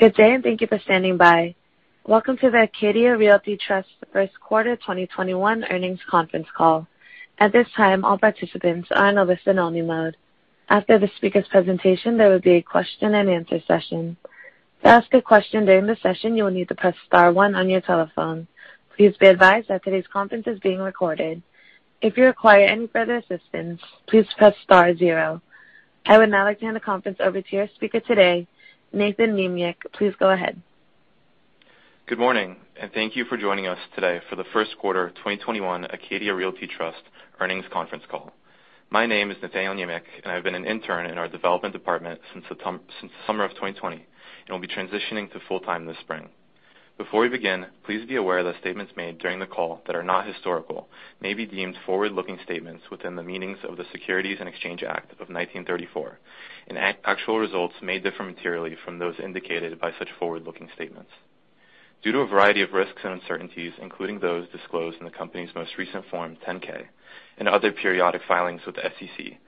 Good day, and thank you for standing by. Welcome to the Acadia Realty Trust first quarter 2021 earnings conference call. At this time, all participants are in a listen-only mode. After the speaker's presentation, there will be a question and answer session. To ask a question during the session, you will need to press star one on your telephone. Please be advised that today's conference is being recorded. If you require any further assistance, please press star zero. I would now like to hand the conference over to your speaker today, Nathan Niemiec. Please go ahead. Good morning, and thank you for joining us today for the first quarter 2021 Acadia Realty Trust earnings conference call. My name is Nathaniel Niemiec, and I've been an Intern in our Development Department since the summer of 2020, and will be transitioning to full-time this spring. Before we begin, please be aware that statements made during the call that are not historical may be deemed forward-looking statements within the meanings of the Securities Exchange Act of 1934, and actual results may differ materially from those indicated by such forward-looking statements. Due to a variety of risks and uncertainties, including those disclosed in the company's most recent Form 10-K and other periodic filings with the SEC,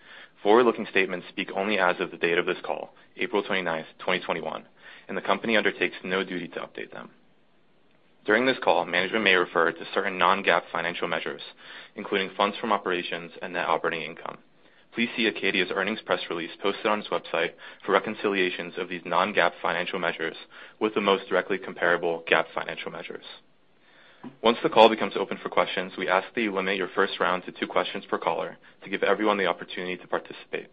forward-looking statements speak only as of the date of this call, April 29th, 2021, and the company undertakes no duty to update them. During this call, management may refer to certain non-GAAP financial measures, including funds from operations and net operating income. Please see Acadia's earnings press release posted on its website for reconciliations of these non-GAAP financial measures with the most directly comparable GAAP financial measures. Once the call becomes open for questions, we ask that you limit your first round to two questions per caller to give everyone the opportunity to participate.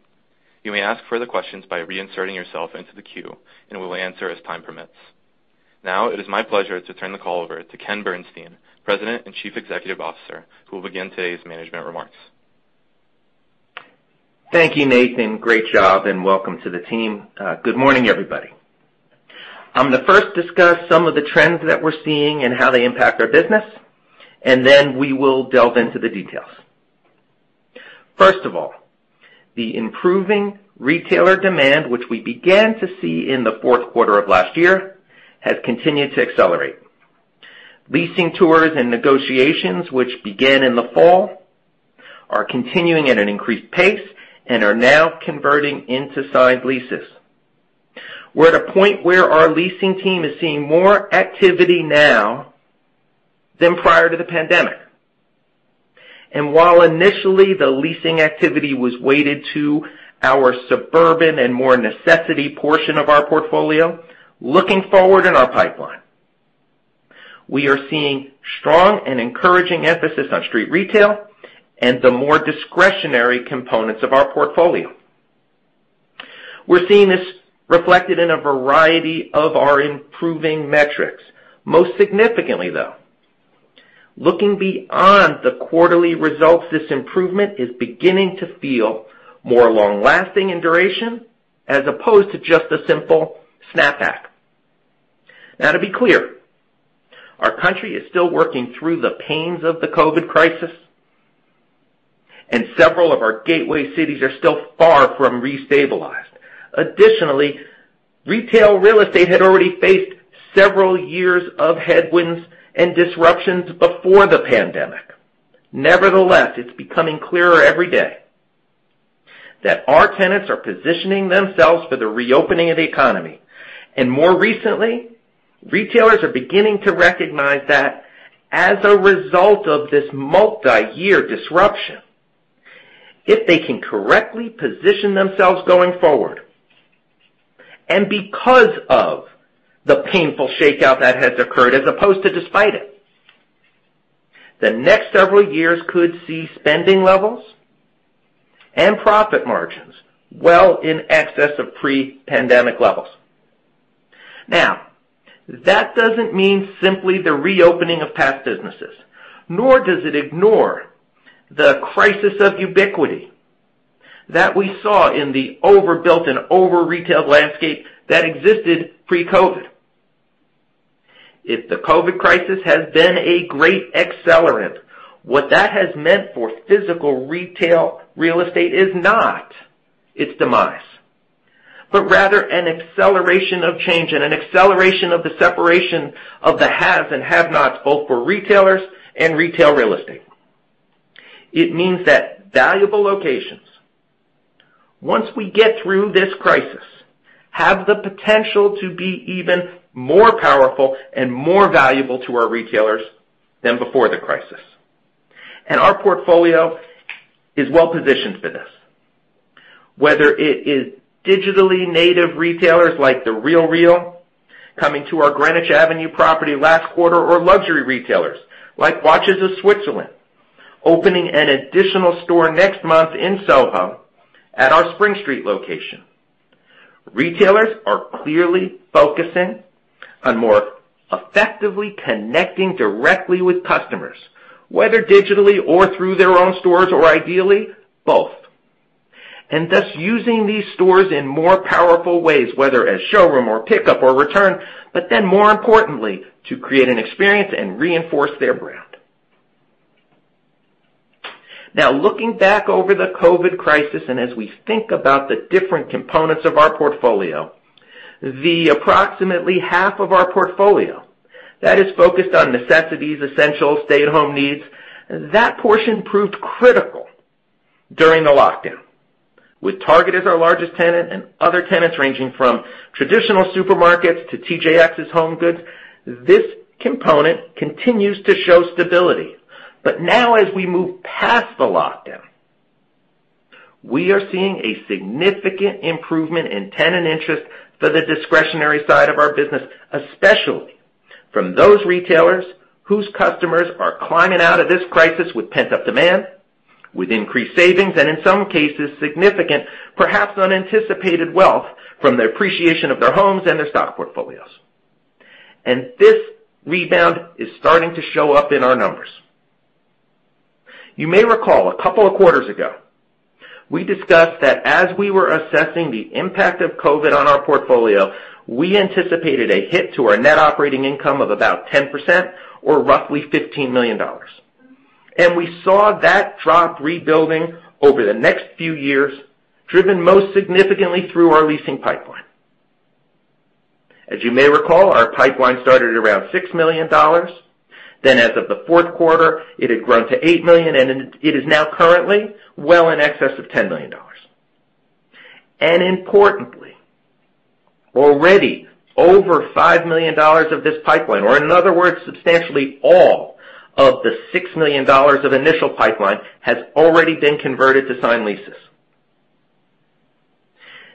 You may ask further questions by reinserting yourself into the queue, and we will answer as time permits. Now it is my pleasure to turn the call over to Ken Bernstein, President and Chief Executive Officer, who will begin today's management remarks. Thank you, Nathan. Great job, and welcome to the team. Good morning, everybody. I'm going to first discuss some of the trends that we're seeing and how they impact our business, and then we will delve into the details. First of all, the improving retailer demand which we began to see in the fourth quarter of last year has continued to accelerate. Leasing tours and negotiations which began in the fall are continuing at an increased pace and are now converting into signed leases. We're at a point where our leasing team is seeing more activity now than prior to the pandemic. While initially the leasing activity was weighted to our suburban and more necessity portion of our portfolio, looking forward in our pipeline, we are seeing strong and encouraging emphasis on street retail and the more discretionary components of our portfolio. We're seeing this reflected in a variety of our improving metrics. Most significantly, though, looking beyond the quarterly results, this improvement is beginning to feel more long-lasting in duration as opposed to just a simple snapback. To be clear, our country is still working through the pains of the COVID crisis, and several of our gateway cities are still far from restabilized. Retail real estate had already faced several years of headwinds and disruptions before the pandemic. It's becoming clearer every day that our tenants are positioning themselves for the reopening of the economy. More recently, retailers are beginning to recognize that as a result of this multi-year disruption, if they can correctly position themselves going forward, and because of the painful shakeout that has occurred as opposed to despite it, the next several years could see spending levels and profit margins well in excess of pre-pandemic levels. Now, that doesn't mean simply the reopening of past businesses, nor does it ignore the crisis of ubiquity that we saw in the overbuilt and over-retailed landscape that existed pre-COVID. If the COVID crisis has been a great accelerant, what that has meant for physical retail real estate is not its demise, but rather an acceleration of change and an acceleration of the separation of the haves and have-nots, both for retailers and retail real estate. It means that valuable locations, once we get through this crisis, have the potential to be even more powerful and more valuable to our retailers than before the crisis. Our portfolio is well positioned for this. Whether it is digitally native retailers like The RealReal coming to our Greenwich Avenue property last quarter or luxury retailers like Watches of Switzerland opening an additional store next month in SoHo at our Spring Street location. Retailers are clearly focusing on more effectively connecting directly with customers, whether digitally or through their own stores, or ideally, both. Thus using these stores in more powerful ways, whether as showroom or pickup or return, but then more importantly, to create an experience and reinforce their brand. Now, looking back over the COVID crisis and as we think about the different components of our portfolio, the approximately half of our portfolio that is focused on necessities, essentials, stay-at-home needs, that portion proved critical during the lockdown. With Target as our largest tenant and other tenants ranging from traditional supermarkets to TJX's HomeGoods, this component continues to show stability. Now as we move past the lockdown, we are seeing a significant improvement in tenant interest for the discretionary side of our business, especially from those retailers whose customers are climbing out of this crisis with pent-up demand, with increased savings, and in some cases, significant, perhaps unanticipated wealth from the appreciation of their homes and their stock portfolios. This rebound is starting to show up in our numbers. You may recall a couple of quarters ago, we discussed that as we were assessing the impact of COVID on our portfolio, we anticipated a hit to our net operating income of about 10% or roughly $15 million. We saw that drop rebuilding over the next few years, driven most significantly through our leasing pipeline. As you may recall, our pipeline started around $6 million. As of the fourth quarter, it had grown to $8 million. It is now currently well in excess of $10 million. Importantly, already over $5 million of this pipeline, or in other words, substantially all of the $6 million of initial pipeline, has already been converted to signed leases.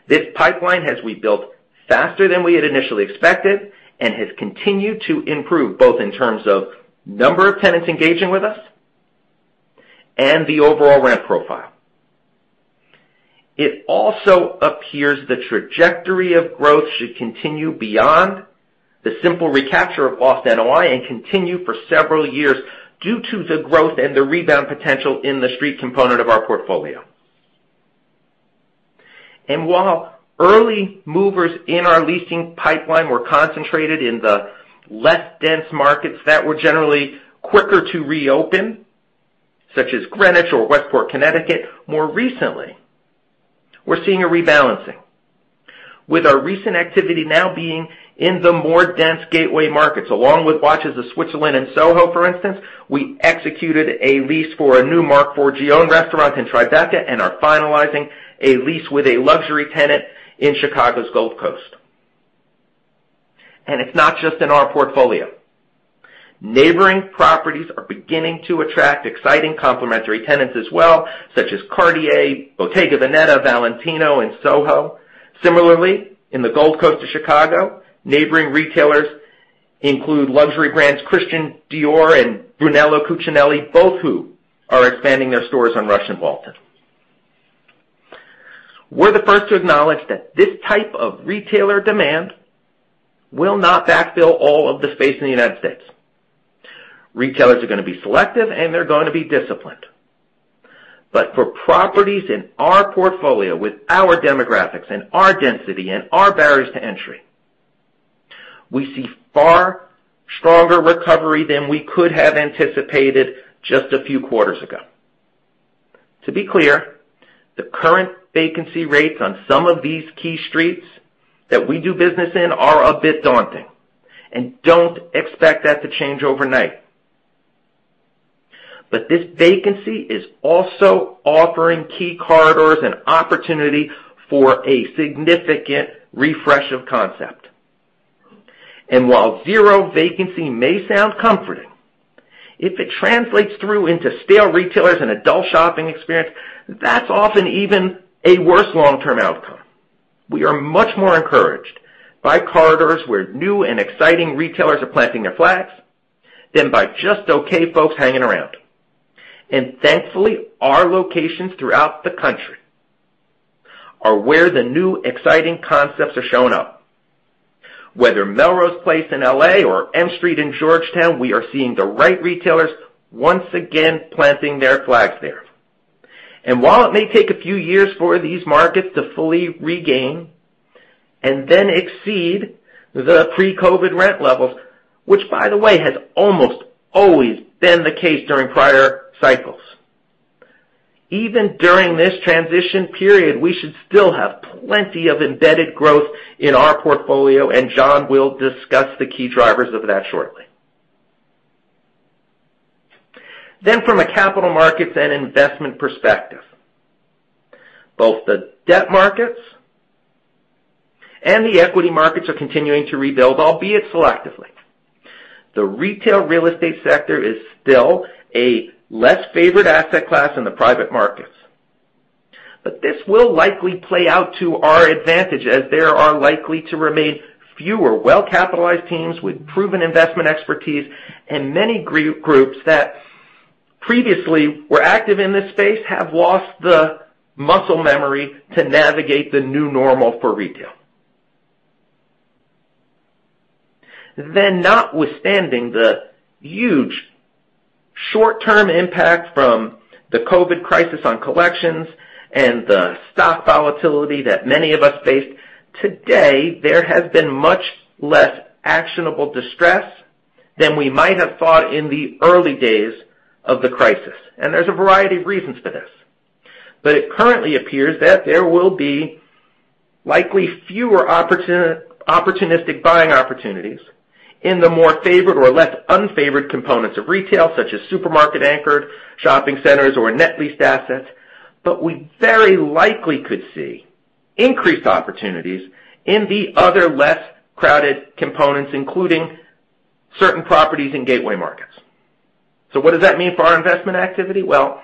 This pipeline has rebuilt faster than we had initially expected and has continued to improve both in terms of number of tenants engaging with us and the overall rent profile. It also appears the trajectory of growth should continue beyond the simple recapture of lost NOI and continue for several years due to the growth and the rebound potential in the street component of our portfolio. While early movers in our leasing pipeline were concentrated in the less dense markets that were generally quicker to reopen, such as Greenwich or Westport, Connecticut, more recently, we're seeing a rebalancing, with our recent activity now being in the more dense gateway markets. Along with Watches of Switzerland and Soho, for instance, we executed a lease for a new Marc Forgione restaurant in Tribeca and are finalizing a lease with a luxury tenant in Chicago's Gold Coast. It's not just in our portfolio. Neighboring properties are beginning to attract exciting complementary tenants as well, such as Cartier, Bottega Veneta, Valentino in SoHo. Similarly, in the Gold Coast of Chicago, neighboring retailers include luxury brands Christian Dior and Brunello Cucinelli, both who are expanding their stores on Rush and Walton. We're the first to acknowledge that this type of retailer demand will not backfill all of the space in the United States. Retailers are going to be selective and they're going to be disciplined. For properties in our portfolio with our demographics and our density and our barriers to entry, we see far stronger recovery than we could have anticipated just a few quarters ago. To be clear, the current vacancy rates on some of these key streets that we do business in are a bit daunting. Don't expect that to change overnight. This vacancy is also offering key corridors an opportunity for a significant refresh of concept. While zero vacancy may sound comforting, if it translates through into stale retailers and a dull shopping experience, that's often even a worse long-term outcome. We are much more encouraged by corridors where new and exciting retailers are planting their flags than by just okay folks hanging around. Thankfully, our locations throughout the country are where the new exciting concepts are showing up. Whether Melrose Place in L.A. or M Street in Georgetown, we are seeing the right retailers once again planting their flags there. While it may take a few years for these markets to fully regain and then exceed the pre-COVID rent levels, which by the way, has almost always been the case during prior cycles. Even during this transition period, we should still have plenty of embedded growth in our portfolio, and John will discuss the key drivers of that shortly. From a capital markets and investment perspective, both the debt markets and the equity markets are continuing to rebuild, albeit selectively. This will likely play out to our advantage as there are likely to remain fewer well-capitalized teams with proven investment expertise and many groups that previously were active in this space have lost the muscle memory to navigate the new normal for retail. Notwithstanding the huge short-term impact from the COVID crisis on collections and the stock volatility that many of us faced, today, there has been much less actionable distress than we might have thought in the early days of the crisis. There's a variety of reasons for this. It currently appears that there will be likely fewer opportunistic buying opportunities in the more favored or less unfavored components of retail, such as supermarket-anchored shopping centers or net lease assets, but we very likely could see increased opportunities in the other less crowded components, including certain properties in gateway markets. What does that mean for our investment activity? Well,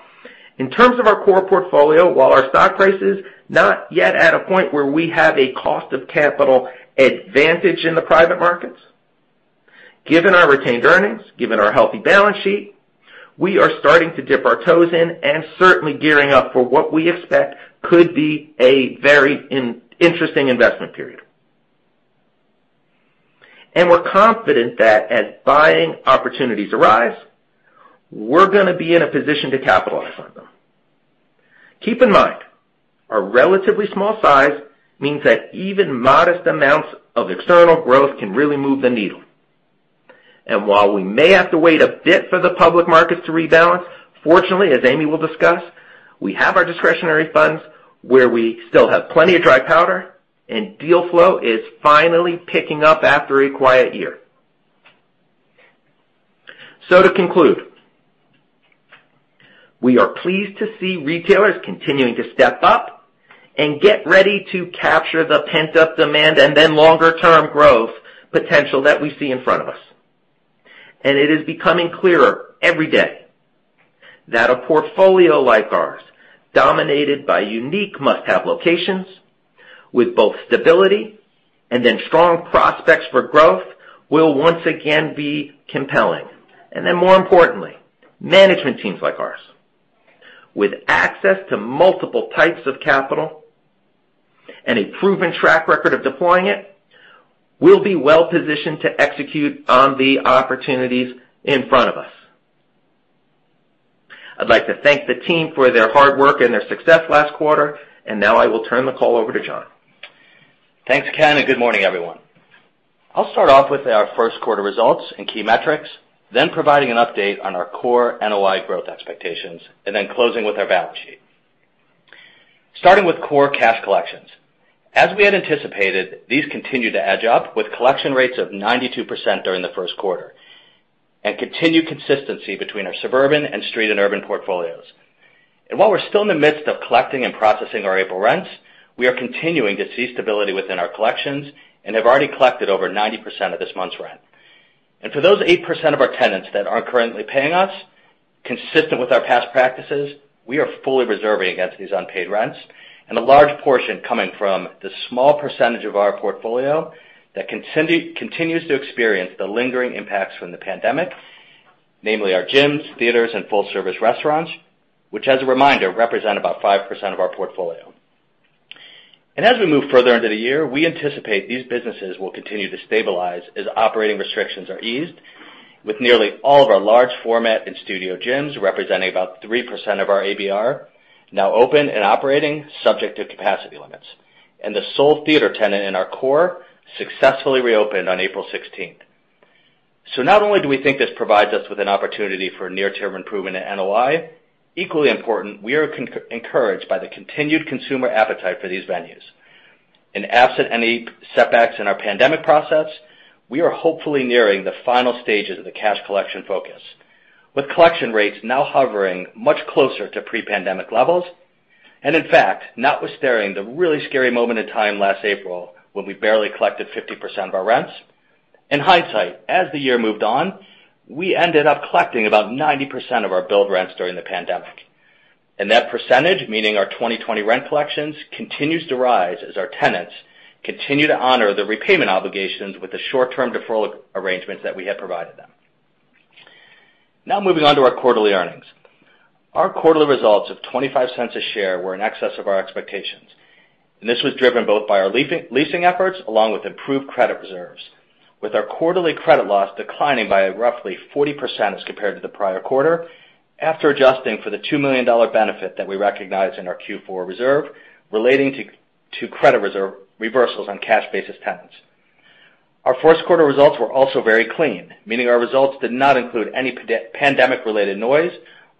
in terms of our core portfolio, while our stock price is not yet at a point where we have a cost of capital advantage in the private markets. Given our retained earnings, given our healthy balance sheet, we are starting to dip our toes in and certainly gearing up for what we expect could be a very interesting investment period. We're confident that as buying opportunities arise, we're going to be in a position to capitalize on them. Keep in mind, our relatively small size means that even modest amounts of external growth can really move the needle. While we may have to wait a bit for the public markets to rebalance, fortunately, as Amy will discuss, we have our discretionary funds where we still have plenty of dry powder and deal flow is finally picking up after a quiet year. To conclude, we are pleased to see retailers continuing to step up and get ready to capture the pent-up demand and then longer-term growth potential that we see in front of us. It is becoming clearer every day that a portfolio like ours, dominated by unique must-have locations with both stability and then strong prospects for growth, will once again be compelling. More importantly, management teams like ours with access to multiple types of capital and a proven track record of deploying it, will be well-positioned to execute on the opportunities in front of us. I'd like to thank the team for their hard work and their success last quarter. Now I will turn the call over to John. Thanks, Ken. Good morning, everyone. I'll start off with our first quarter results and key metrics, providing an update on our core NOI growth expectations, closing with our balance sheet. Starting with core cash collections. As we had anticipated, these continued to edge up with collection rates of 92% during the first quarter, continued consistency between our suburban and street and urban portfolios. While we're still in the midst of collecting and processing our April rents, we are continuing to see stability within our collections and have already collected over 90% of this month's rent. For those 8% of our tenants that aren't currently paying us, consistent with our past practices, we are fully reserving against these unpaid rents, and a large portion coming from the small percentage of our portfolio that continues to experience the lingering impacts from the pandemic, namely our gyms, theaters, and full-service restaurants. Which as a reminder, represent about 5% of our portfolio. As we move further into the year, we anticipate these businesses will continue to stabilize as operating restrictions are eased with nearly all of our large format and studio gyms representing about 3% of our ABR now open and operating subject to capacity limits. The sole theater tenant in our core successfully re-opened on April 16th. Not only do we think this provides us with an opportunity for near-term improvement in NOI, equally important, we are encouraged by the continued consumer appetite for these venues. Absent any setbacks in our pandemic process, we are hopefully nearing the final stages of the cash collection focus, with collection rates now hovering much closer to pre-pandemic levels. In fact, notwithstanding the really scary moment in time last April when we barely collected 50% of our rents. In hindsight, as the year moved on, we ended up collecting about 90% of our billed rents during the pandemic. That percentage, meaning our 2020 rent collections, continues to rise as our tenants continue to honor the repayment obligations with the short-term deferral arrangements that we had provided them. Now moving on to our quarterly earnings. Our quarterly results of $0.25 a share were in excess of our expectations. This was driven both by our leasing efforts along with improved credit reserves, with our quarterly credit loss declining by roughly 40% as compared to the prior quarter after adjusting for the $2 million benefit that we recognized in our Q4 reserve relating to credit reserve reversals on cash basis tenants. Our first quarter results were also very clean, meaning our results did not include any pandemic-related noise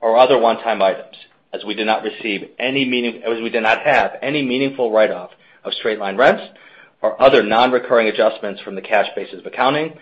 or other one-time items, as we did not have any meaningful write-off of straight-line rents or other non-recurring adjustments from the cash basis of accounting.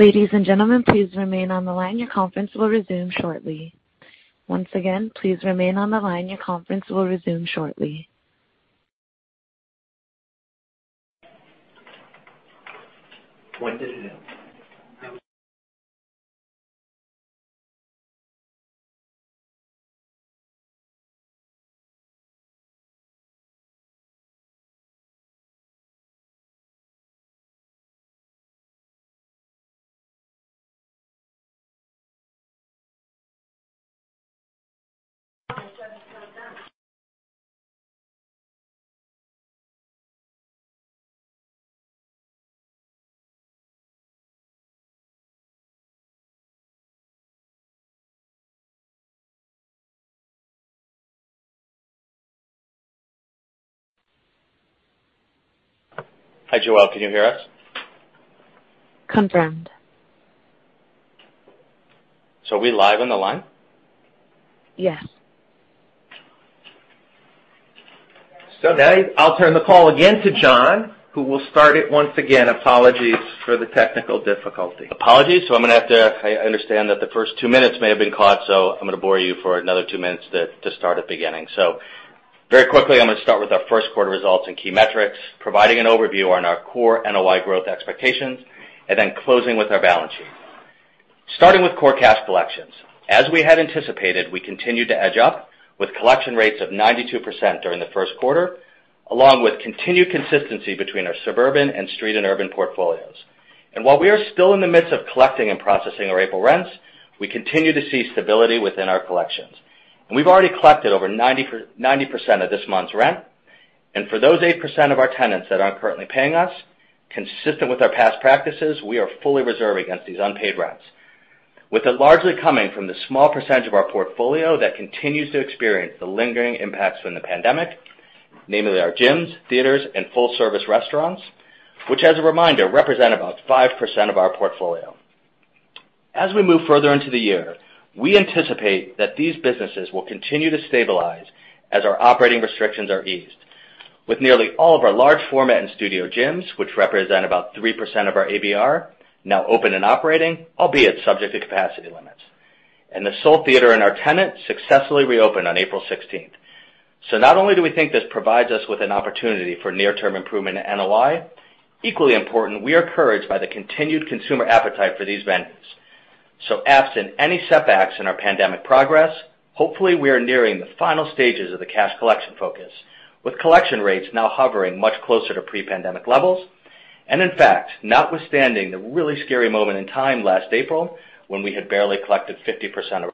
Ladies and gentlemen, please remain on the line. Your conference will resume shortly. Once again, please remain on the line. Your conference will resume shortly. Hi, Joelle, can you hear us? Confirmed. Are we live on the line? Yes. Now I'll turn the call again to John, who will start it once again. Apologies for the technical difficulty. Apologies. I understand that the first two minutes may have been caught, so I'm going to bore you for another two minutes to start at the beginning. Very quickly, I'm going to start with our first quarter results and key metrics, providing an overview on our core NOI growth expectations, closing with our balance sheet. Starting with core cash collections. As we had anticipated, we continued to edge up with collection rates of 92% during the first quarter, along with continued consistency between our suburban and street and urban portfolios. While we are still in the midst of collecting and processing our April rents, we continue to see stability within our collections. We've already collected over 90% of this month's rent, and for those 8% of our tenants that aren't currently paying us, consistent with our past practices, we are fully reserved against these unpaid rents, with it largely coming from the small percentage of our portfolio that continues to experience the lingering impacts from the pandemic, namely our gyms, theaters, and full-service restaurants, which as a reminder, represent about 5% of our portfolio. As we move further into the year, we anticipate that these businesses will continue to stabilize as our operating restrictions are eased. With nearly all of our large format and studio gyms, which represent about 3% of our ABR, now open and operating, albeit subject to capacity limits. The Sole theater in our tenant successfully reopened on April 16th. Not only do we think this provides us with an opportunity for near-term improvement in NOI, equally important, we are encouraged by the continued consumer appetite for these venues. Absent any setbacks in our pandemic progress, hopefully we are nearing the final stages of the cash collection focus, with collection rates now hovering much closer to pre-pandemic levels. In fact, notwithstanding the really scary moment in time last April when we had barely collected 50%.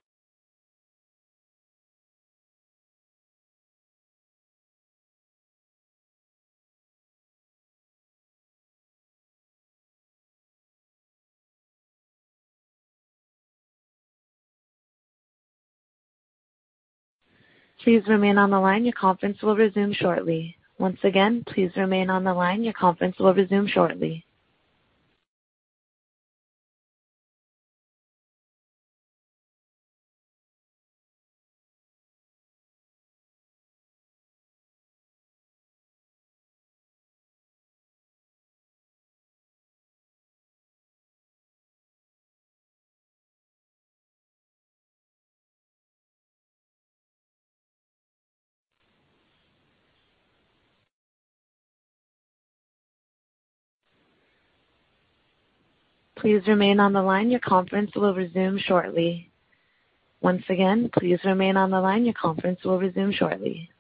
Please remain on the line. Your conference will resume shortly. Once again, please remain on the line. Your conference will resume shortly. Please remain on the line. Your conference will resume shortly. Once again, please remain on the line. Your conference will resume shortly.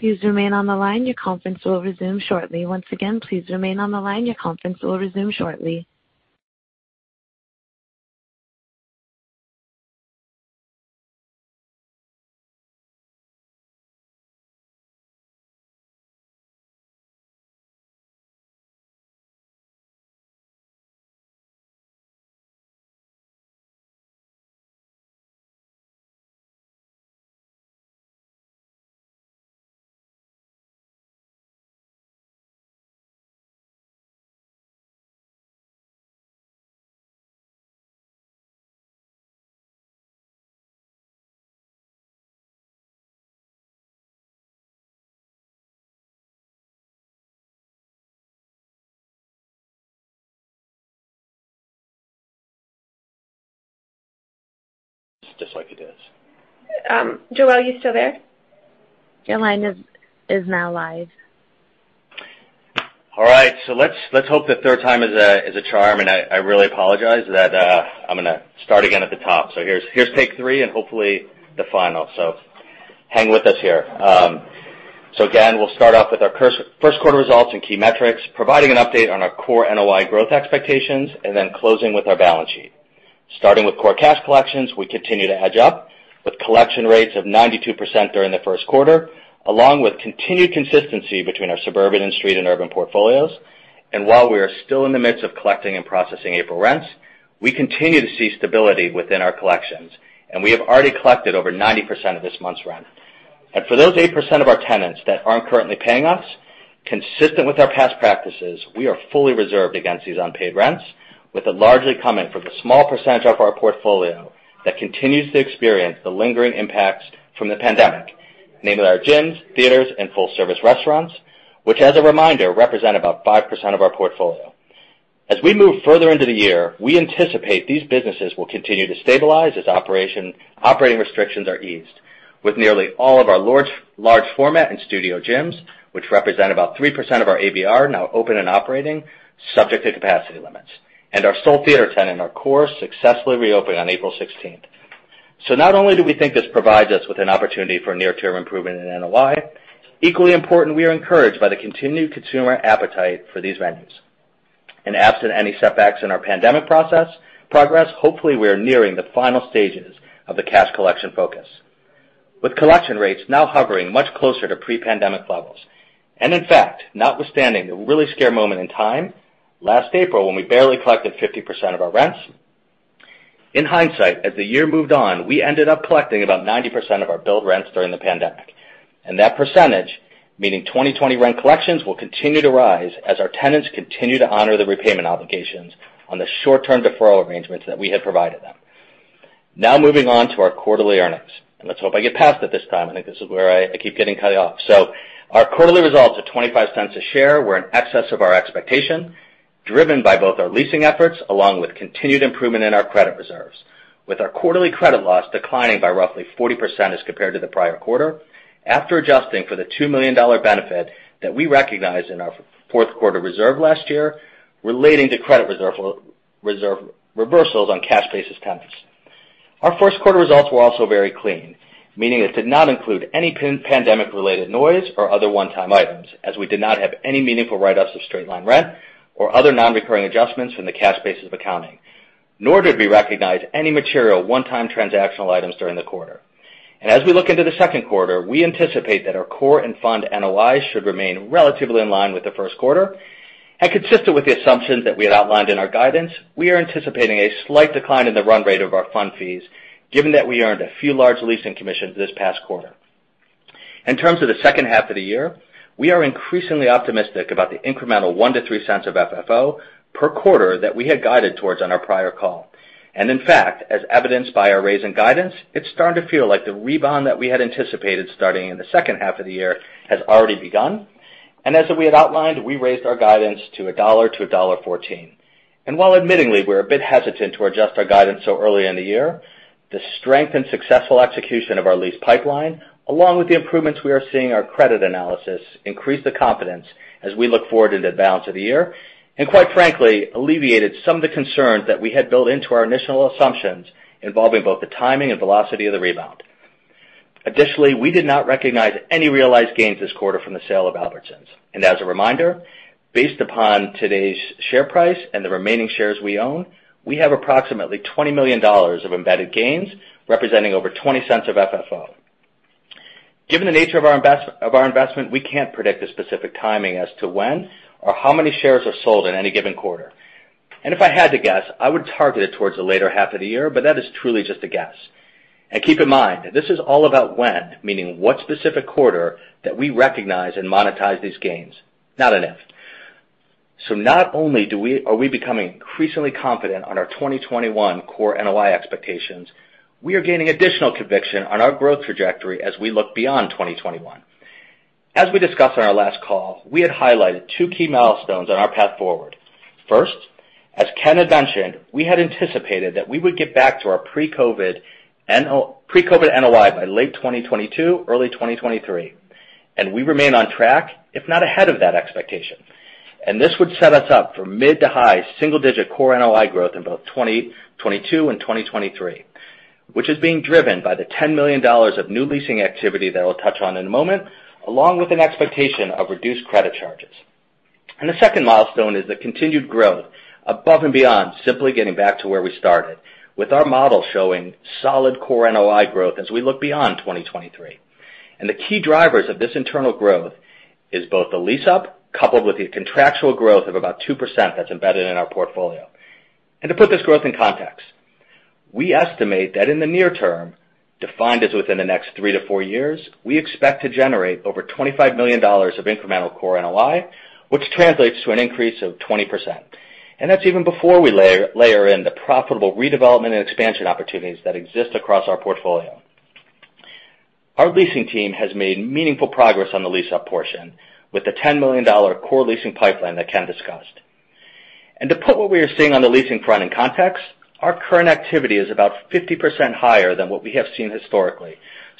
Please remain on the line. Your conference will resume shortly. Once again, please remain on the line. Your conference will resume shortly. Just like it is. Joelle, are you still there? Your line is now live. All right, let's hope the third time is a charm, and I really apologize that I'm going to start again at the top. Here's take three and hopefully the final. Hang with us here. Again, we'll start off with our first quarter results and key metrics, providing an update on our core NOI growth expectations and then closing with our balance sheet. Starting with core cash collections, we continue to edge up with collection rates of 92% during the first quarter, along with continued consistency between our suburban and street and urban portfolios. While we are still in the midst of collecting and processing April rents, we continue to see stability within our collections, and we have already collected over 90% of this month's rent. For those 8% of our tenants that aren't currently paying us, consistent with our past practices, we are fully reserved against these unpaid rents, with it largely coming from the small percentage of our portfolio that continues to experience the lingering impacts from the pandemic, namely our gyms, theaters, and full-service restaurants, which as a reminder, represent about 5% of our portfolio. As we move further into the year, we anticipate these businesses will continue to stabilize as operating restrictions are eased. With nearly all of our large format and studio gyms, which represent about 3% of our ABR, now open and operating, subject to capacity limits, and our sole theater tenant in our core successfully reopened on April 16th. Not only do we think this provides us with an opportunity for near-term improvement in NOI, equally important, we are encouraged by the continued consumer appetite for these venues. Absent any setbacks in our pandemic progress, hopefully, we are nearing the final stages of the cash collection focus. With collection rates now hovering much closer to pre-pandemic levels. In fact, notwithstanding the really scary moment in time, last April when we barely collected 50% of our rents. In hindsight, as the year moved on, we ended up collecting about 90% of our billed rents during the pandemic. That percentage, meaning 2020 rent collections, will continue to rise as our tenants continue to honor the repayment obligations on the short-term deferral arrangements that we had provided them. Moving on to our quarterly earnings. Let's hope I get past it this time. I think this is where I keep getting cut off. Our quarterly results of $0.25 a share were in excess of our expectation, driven by both our leasing efforts along with continued improvement in our credit reserves, with our quarterly credit loss declining by roughly 40% as compared to the prior quarter, after adjusting for the $2 million benefit that we recognized in our fourth quarter reserve last year relating to credit reserve reversals on cash basis tenants. Our first quarter results were also very clean, meaning it did not include any pandemic-related noise or other one-time items, as we did not have any meaningful write-ups of straight-line rent or other non-recurring adjustments from the cash basis of accounting, nor did we recognize any material one-time transactional items during the quarter. As we look into the second quarter, we anticipate that our core and fund NOI should remain relatively in line with the first quarter. Consistent with the assumptions that we had outlined in our guidance, we are anticipating a slight decline in the run rate of our fund fees, given that we earned a few large leasing commissions this past quarter. In terms of the second half of the year, we are increasingly optimistic about the incremental $0.01-$0.03 of FFO per quarter that we had guided towards on our prior call. In fact, as evidenced by our raise in guidance, it's starting to feel like the rebound that we had anticipated starting in the second half of the year has already begun. As we had outlined, we raised our guidance to $1.00-$1.14. While admittedly, we're a bit hesitant to adjust our guidance so early in the year, the strength and successful execution of our lease pipeline, along with the improvements we are seeing in our credit analysis, increase the confidence as we look forward to the balance of the year. Quite frankly, alleviated some of the concerns that we had built into our initial assumptions involving both the timing and velocity of the rebound. Additionally, we did not recognize any realized gains this quarter from the sale of Albertsons. As a reminder, based upon today's share price and the remaining shares we own, we have approximately $20 million of embedded gains representing over $0.20 of FFO. Given the nature of our investment, we can't predict a specific timing as to when or how many shares are sold in any given quarter. If I had to guess, I would target it towards the latter half of the year, but that is truly just a guess. Keep in mind, this is all about when, meaning what specific quarter that we recognize and monetize these gains, not an if. Not only are we becoming increasingly confident on our 2021 core NOI expectations, we are gaining additional conviction on our growth trajectory as we look beyond 2021. As we discussed on our last call, we had highlighted two key milestones on our path forward. First, as Ken had mentioned, we had anticipated that we would get back to our pre-COVID NOI by late 2022, early 2023, and we remain on track, if not ahead of that expectation. This would set us up for mid-to-high single-digit core NOI growth in both 2022 and 2023, which is being driven by the $10 million of new leasing activity that I'll touch on in a moment, along with an expectation of reduced credit charges. The second milestone is the continued growth above and beyond simply getting back to where we started, with our model showing solid core NOI growth as we look beyond 2023. The key drivers of this internal growth is both the lease-up coupled with the contractual growth of about 2% that's embedded in our portfolio. To put this growth in context, we estimate that in the near term, defined as within the next three to four years, we expect to generate over $25 million of incremental core NOI, which translates to an increase of 20%. That's even before we layer in the profitable redevelopment and expansion opportunities that exist across our portfolio. Our leasing team has made meaningful progress on the lease-up portion with the $10 million core leasing pipeline that Ken discussed. To put what we are seeing on the leasing front in context, our current activity is about 50% higher than what we have seen historically.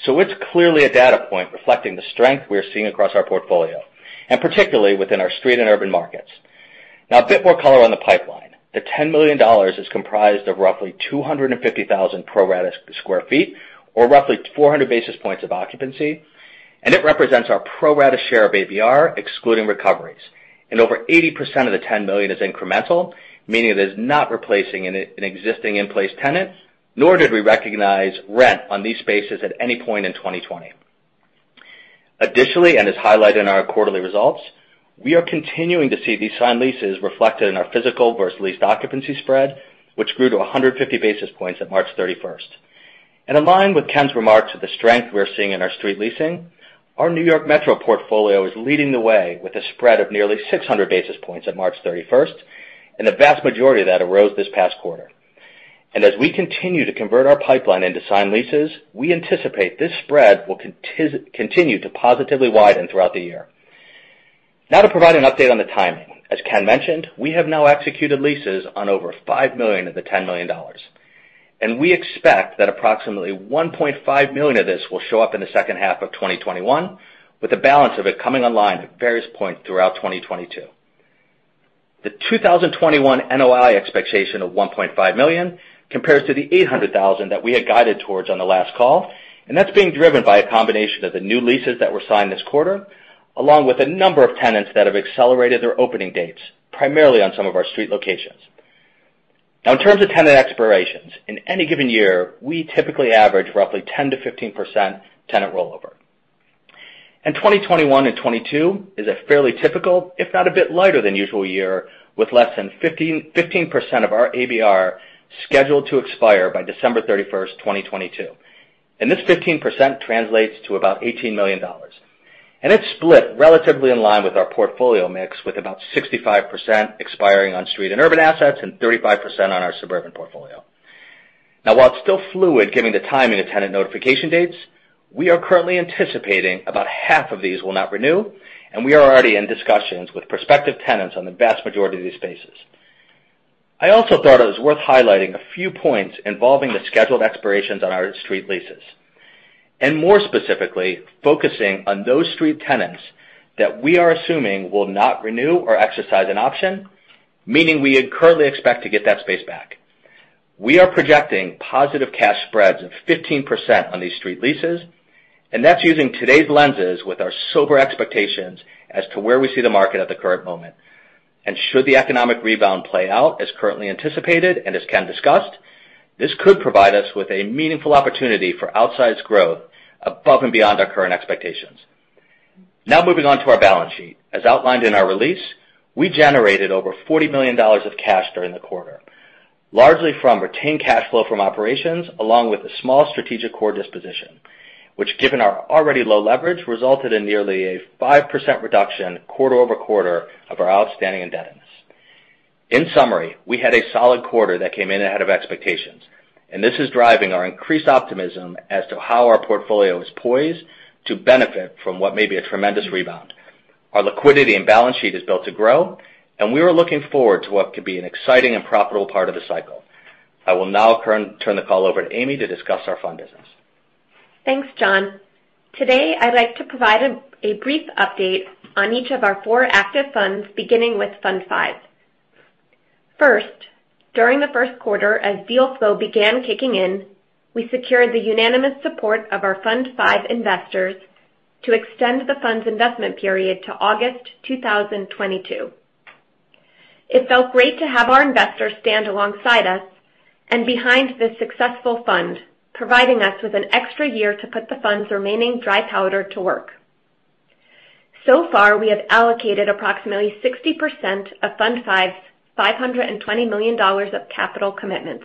It's clearly a data point reflecting the strength we are seeing across our portfolio, and particularly within our street and urban markets. Now, a bit more color on the pipeline. The $10 million is comprised of roughly 250,000 pro rata square feet, or roughly 400 basis points of occupancy, and it represents our pro rata share of ABR, excluding recoveries. Over 80% of the $10 million is incremental, meaning it is not replacing an existing in-place tenant, nor did we recognize rent on these spaces at any point in 2020. Additionally, as highlighted in our quarterly results, we are continuing to see these signed leases reflected in our physical versus leased occupancy spread, which grew to 150 basis points at March 31st. Aligned with Ken's remarks of the strength we are seeing in our street leasing, our New York Metro portfolio is leading the way with a spread of nearly 600 basis points at March 31st, and the vast majority of that arose this past quarter. As we continue to convert our pipeline into signed leases, we anticipate this spread will continue to positively widen throughout the year. Now to provide an update on the timing. As Ken mentioned, we have now executed leases on over $5 million of the $10 million. We expect that approximately $1.5 million of this will show up in the second half of 2021, with the balance of it coming online at various points throughout 2022. The 2021 NOI expectation of $1.5 million compares to the $800,000 that we had guided towards on the last call, and that's being driven by a combination of the new leases that were signed this quarter, along with a number of tenants that have accelerated their opening dates, primarily on some of our street locations. In terms of tenant expirations, in any given year, we typically average roughly 10%-15% tenant rollover. 2021 and 2022 is a fairly typical, if not a bit lighter than usual year, with less than 15% of our ABR scheduled to expire by December 31st, 2022. This 15% translates to about $18 million. It's split relatively in line with our portfolio mix, with about 65% expiring on street and urban assets and 35% on our suburban portfolio. Now while it's still fluid given the timing of tenant notification dates, we are currently anticipating about half of these will not renew, and we are already in discussions with prospective tenants on the vast majority of these spaces. I also thought it was worth highlighting a few points involving the scheduled expirations on our street leases. More specifically, focusing on those street tenants that we are assuming will not renew or exercise an option, meaning we currently expect to get that space back. We are projecting positive cash spreads of 15% on these street leases, and that's using today's lenses with our sober expectations as to where we see the market at the current moment. Should the economic rebound play out as currently anticipated and as Ken discussed, this could provide us with a meaningful opportunity for outsized growth above and beyond our current expectations. Now moving on to our balance sheet. As outlined in our release, we generated over $40 million of cash during the quarter, largely from retained cash flow from operations, along with a small strategic core disposition, which given our already low leverage, resulted in nearly a 5% reduction quarter-over-quarter of our outstanding indebtedness. In summary, we had a solid quarter that came in ahead of expectations, and this is driving our increased optimism as to how our portfolio is poised to benefit from what may be a tremendous rebound. Our liquidity and balance sheet is built to grow, and we are looking forward to what could be an exciting and profitable part of the cycle. I will now turn the call over to Amy to discuss our fund business. Thanks, John. Today, I'd like to provide a brief update on each of our four active funds, beginning with Fund V. First, during the first quarter, as deal flow began kicking in, we secured the unanimous support of our Fund V investors to extend the fund's investment period to August 2022. It felt great to have our investors stand alongside us and behind this successful fund, providing us with an extra year to put the fund's remaining dry powder to work. We have allocated approximately 60% of Fund V's $520 million of capital commitments.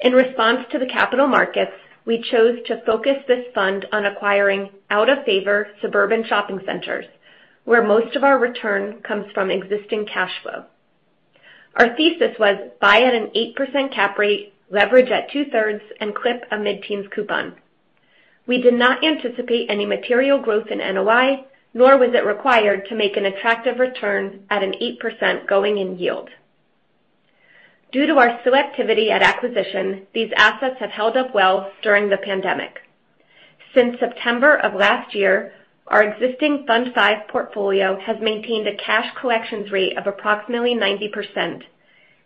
In response to the capital markets, we chose to focus this fund on acquiring out-of-favor suburban shopping centers, where most of our return comes from existing cash flow. Our thesis was buy at an 8% cap rate, leverage at 2/3, and clip a mid-teens coupon. We did not anticipate any material growth in NOI, nor was it required to make an attractive return at an 8% going-in yield. Due to our selectivity at acquisition, these assets have held up well during the pandemic. Since September of last year, our existing Fund V portfolio has maintained a cash collections rate of approximately 90%,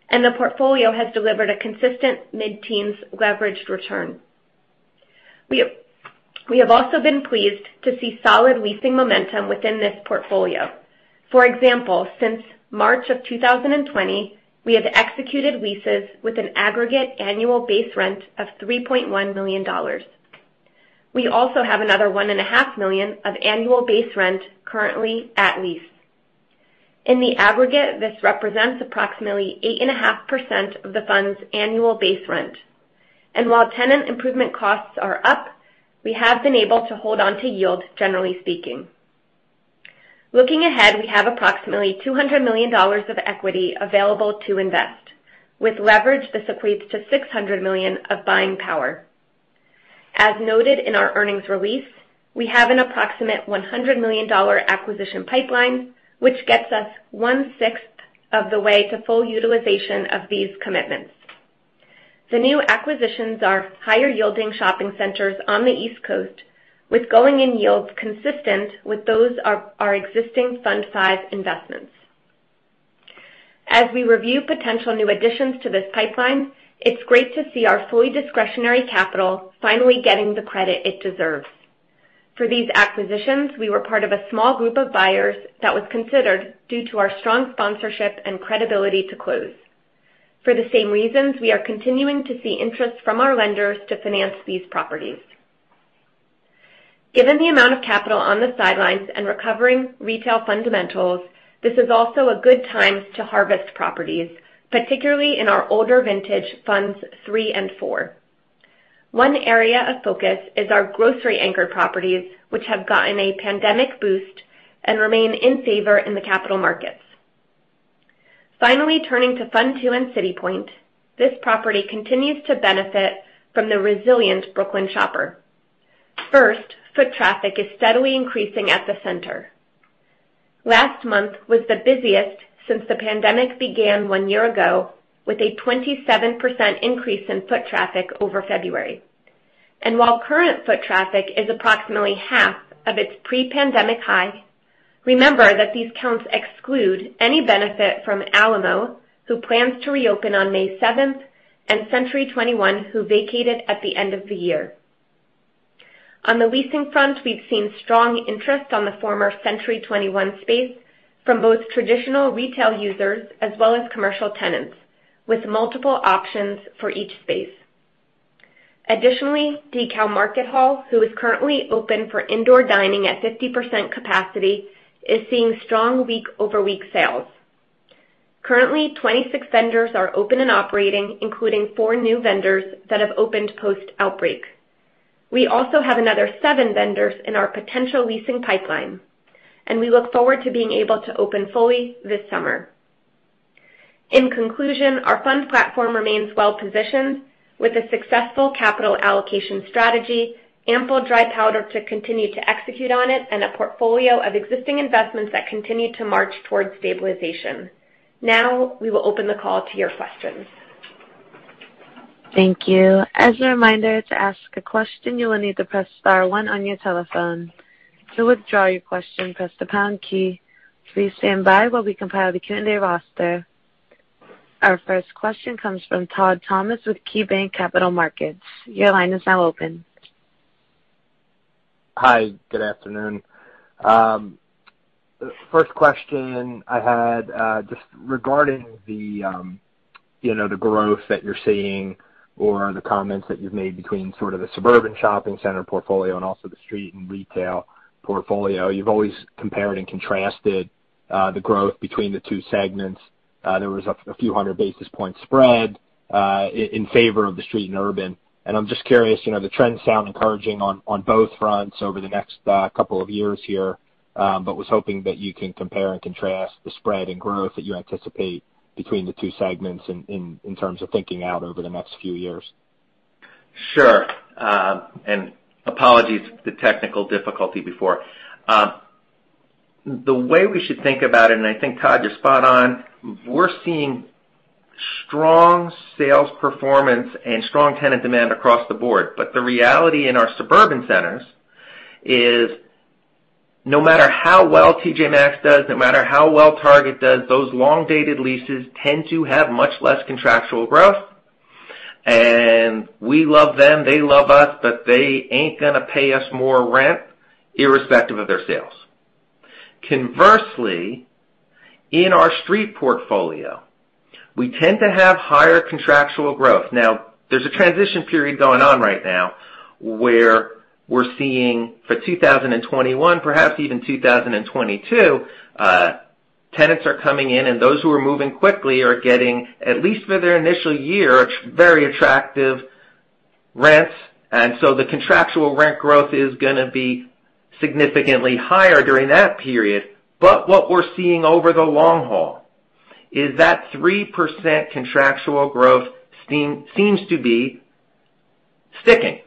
and the portfolio has delivered a consistent mid-teens leveraged return. We have also been pleased to see solid leasing momentum within this portfolio. For example, since March of 2020, we have executed leases with an aggregate annual base rent of $3.1 million. We also have another $1.5 million of annual base rent currently at lease. In the aggregate, this represents approximately 8.5% of the fund's annual base rent. While tenant improvement costs are up, we have been able to hold on to yield, generally speaking. Looking ahead, we have approximately $200 million of equity available to invest. With leverage, this equates to $600 million of buying power. As noted in our earnings release, we have an approximate $100 million acquisition pipeline, which gets us one-sixth of the way to full utilization of these commitments. The new acquisitions are higher-yielding shopping centers on the East Coast, with going-in yields consistent with those of our existing Fund V investments. As we review potential new additions to this pipeline, it's great to see our fully discretionary capital finally getting the credit it deserves. For these acquisitions, we were part of a small group of buyers that was considered due to our strong sponsorship and credibility to close. For the same reasons, we are continuing to see interest from our lenders to finance these properties. Given the amount of capital on the sidelines and recovering retail fundamentals, this is also a good time to harvest properties, particularly in our older vintage Funds III and IV. One area of focus is our grocery anchor properties, which have gotten a pandemic boost and remain in favor in the capital markets. Finally, turning to Fund II and City Point, this property continues to benefit from the resilient Brooklyn shopper. First, foot traffic is steadily increasing at the center. Last month was the busiest since the pandemic began one year ago, with a 27% increase in foot traffic over February. While current foot traffic is approximately half of its pre-pandemic high, remember that these counts exclude any benefit from Alamo, who plans to reopen on May 7th, and Century 21, who vacated at the end of the year. On the leasing front, we've seen strong interest on the former Century 21 space from both traditional retail users as well as commercial tenants, with multiple options for each space. DeKalb Market Hall, who is currently open for indoor dining at 50% capacity, is seeing strong week-over-week sales. Currently, 26 vendors are open and operating, including four new vendors that have opened post-outbreak. We also have another seven vendors in our potential leasing pipeline, and we look forward to being able to open fully this summer. In conclusion, our fund platform remains well-positioned with a successful capital allocation strategy, ample dry powder to continue to execute on it, and a portfolio of existing investments that continue to march towards stabilization. Now, we will open the call to your questions. Thank you. As a reminder, to ask a question, you will need to press star one on your telephone. To withdraw your question, press the pound key. Please stand by while we compile the candidate roster. Our first question comes from Todd Thomas with KeyBanc Capital Markets. Your line is now open. Hi. Good afternoon. First question I had, just regarding the growth that you're seeing or the comments that you've made between sort of the suburban shopping center portfolio and also the street and retail portfolio. You've always compared and contrasted the growth between the two segments. There was a few hundred basis points spread in favor of the street and urban. I'm just curious, the trends sound encouraging on both fronts over the next couple of years here. Was hoping that you can compare and contrast the spread and growth that you anticipate between the two segments in terms of thinking out over the next few years. Sure. Apologies for the technical difficulty before. The way we should think about it, and I think, Todd, you're spot on. We're seeing strong sales performance and strong tenant demand across the board. The reality in our suburban centers is no matter how well TJ Maxx does, no matter how well Target does, those long-dated leases tend to have much less contractual growth. We love them, they love us, but they ain't going to pay us more rent irrespective of their sales. Conversely, in our street portfolio, we tend to have higher contractual growth. Now, there's a transition period going on right now where we're seeing for 2021, perhaps even 2022, tenants are coming in, and those who are moving quickly are getting, at least for their initial year, very attractive rents. The contractual rent growth is going to be significantly higher during that period. What we're seeing over the long haul is that 3% contractual growth seems to be sticking.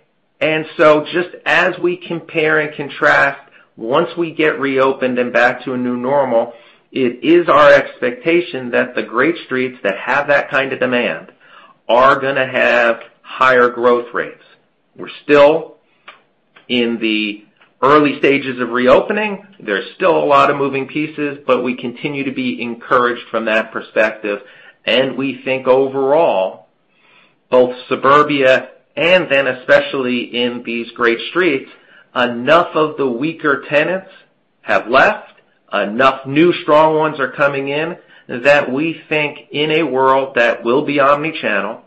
Just as we compare and contrast, once we get reopened and back to a new normal, it is our expectation that the great streets that have that kind of demand are going to have higher growth rates. We're still in the early stages of reopening. There's still a lot of moving pieces, but we continue to be encouraged from that perspective. We think overall, both suburbia and then especially in these great streets, enough of the weaker tenants have left, enough new strong ones are coming in, that we think in a world that will be omni-channel,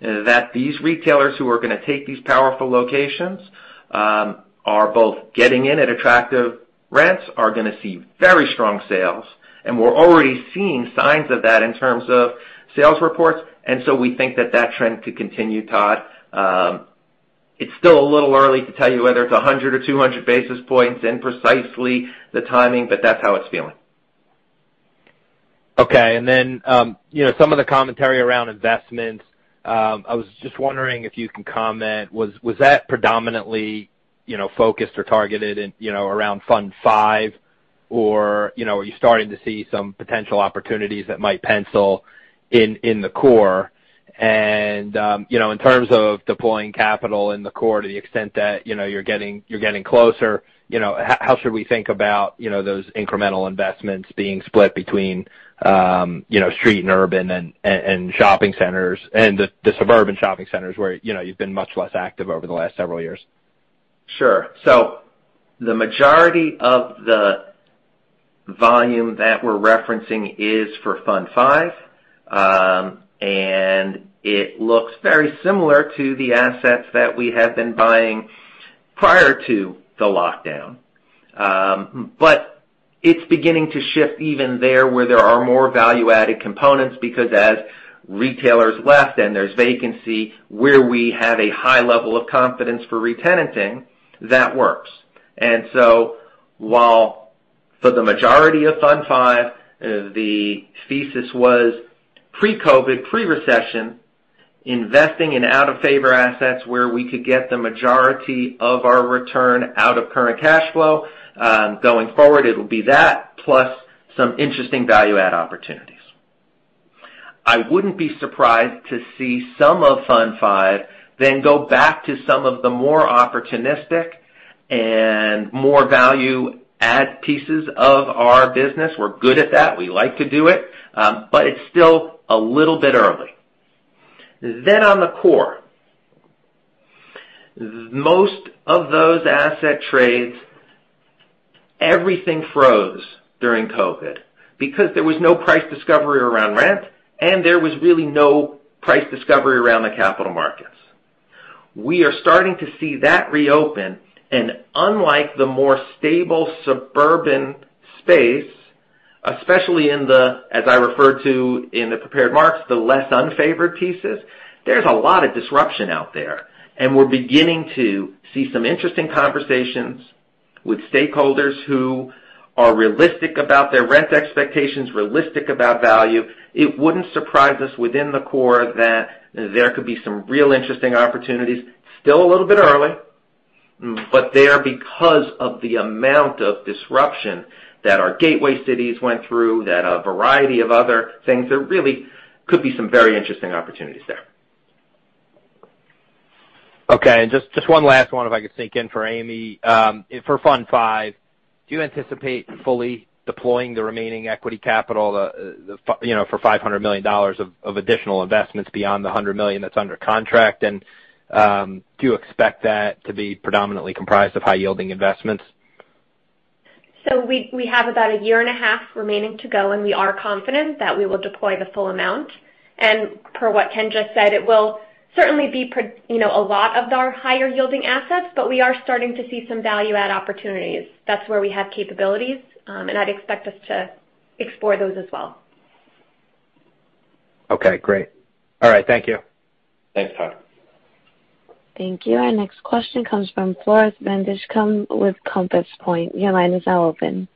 that these retailers who are going to take these powerful locations are both getting in at attractive rents, are going to see very strong sales, and we're already seeing signs of that in terms of sales reports. We think that that trend could continue, Todd It's still a little early to tell you whether it's 100 or 200 basis points and precisely the timing, but that's how it's feeling. Okay. Some of the commentary around investments, I was just wondering if you can comment. Was that predominantly focused or targeted around Fund V, or are you starting to see some potential opportunities that might pencil in the core? In terms of deploying capital in the core to the extent that you're getting closer, how should we think about those incremental investments being split between street and urban and shopping centers and the suburban shopping centers where you've been much less active over the last several years? Sure. The majority of the volume that we're referencing is for Fund V. It looks very similar to the assets that we have been buying prior to the lockdown. It's beginning to shift even there where there are more value-added components, because as retailers left and there's vacancy, where we have a high level of confidence for re-tenanting, that works. While for the majority of Fund V, the thesis was pre-COVID, pre-recession, investing in out-of-favor assets where we could get the majority of our return out of current cash flow. Going forward, it'll be that plus some interesting value add opportunities. I wouldn't be surprised to see some of Fund V then go back to some of the more opportunistic and more value add pieces of our business. We're good at that. We like to do it. It's still a little bit early. On the core. Most of those asset trades, everything froze during COVID because there was no price discovery around rent, and there was really no price discovery around the capital markets. We are starting to see that re-open, unlike the more stable suburban space, especially in the, as I referred to in the prepared marks, the less unfavored pieces, there's a lot of disruption out there. We're beginning to see some interesting conversations with stakeholders who are realistic about their rent expectations, realistic about value. It wouldn't surprise us within the core that there could be some real interesting opportunities. Still a little bit early, there, because of the amount of disruption that our gateway cities went through, that a variety of other things, there really could be some very interesting opportunities there. Okay, just one last one if I could sneak in for Amy. For Fund V, do you anticipate fully deploying the remaining equity capital for $500 million of additional investments beyond the $100 million that's under contract? Do you expect that to be predominantly comprised of high-yielding investments? We have about a year and a half remaining to go, and we are confident that we will deploy the full amount. Per what Ken just said, it will certainly be a lot of our higher-yielding assets, but we are starting to see some value add opportunities. That's where we have capabilities, and I'd expect us to explore those as well. Okay, great. All right. Thank you. Thanks, Todd. Thank you. Our next question comes from Floris van Dijkum with Compass Point. Your line is now open.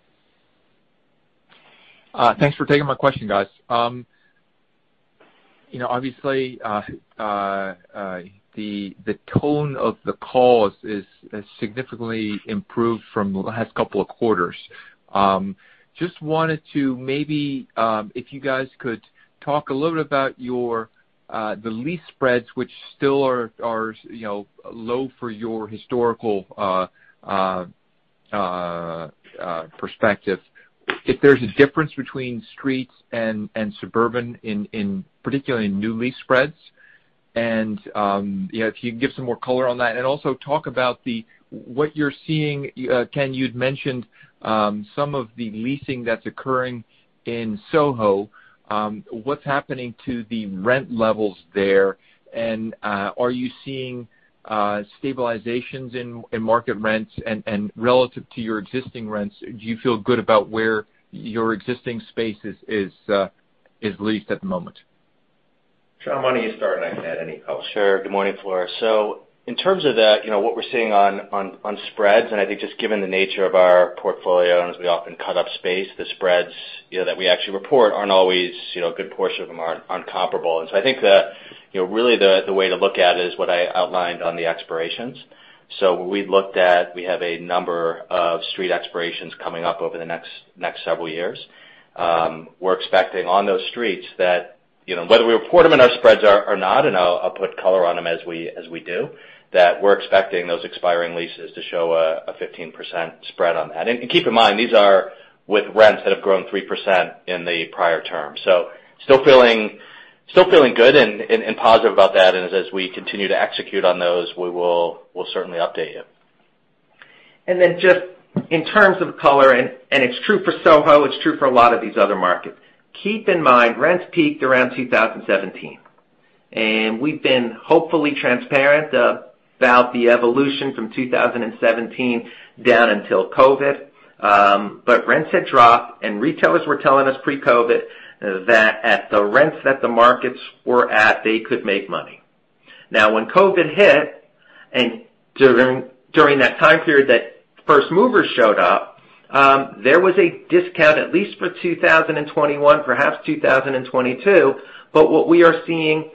Thanks for taking my question, guys. Obviously, the tone of the calls has significantly improved from the last couple of quarters. Just wanted to maybe, if you guys could talk a little bit about the lease spreads, which still are low for your historical perspective. If there's a difference between streets and suburban in particular new lease spreads, if you can give some more color on that. Also talk about what you're seeing, Ken, you'd mentioned some of the leasing that's occurring in SoHo. What's happening to the rent levels there? Are you seeing stabilizations in market rents, and relative to your existing rents, do you feel good about where your existing space is leased at the moment? John, why don't you start, and I can add any color? Sure. Good morning, Floris. In terms of that, what we're seeing on spreads, and I think just given the nature of our portfolio, and as we often cut up space, the spreads that we actually report aren't always, a good portion of them aren't comparable. I think that really the way to look at it is what I outlined on the expirations. We have a number of street expirations coming up over the next several years. We're expecting on those streets that, whether we report them in our spreads or not, and I'll put color on them as we do, that we're expecting those expiring leases to show a 15% spread on that. Keep in mind, these are with rents that have grown 3% in the prior term. Still feeling good and positive about that, and as we continue to execute on those, we'll certainly update you. Then just in terms of color, it's true for SoHo, it's true for a lot of these other markets. Keep in mind, rents peaked around 2017. We've been hopefully transparent about the evolution from 2017 down until COVID. Rents had dropped, and retailers were telling us pre-COVID that at the rents that the markets were at, they could make money. Now, when COVID hit, and during that time period that first movers showed up, there was a discount, at least for 2021, perhaps 2022. What we are seeing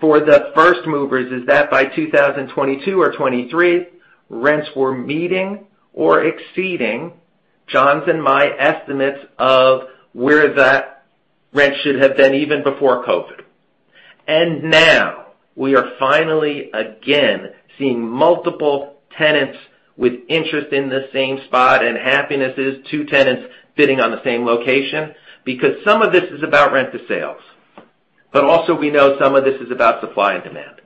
for the first movers is that by 2022 or 2023, rents were meeting or exceeding John's and my estimates of where that rent should have been even before COVID. Now we are finally again, seeing multiple tenants with interest in the same spot, and happiness is two tenants fitting on the same location. Some of this is about rent to sales. We know some of this is about supply and demand.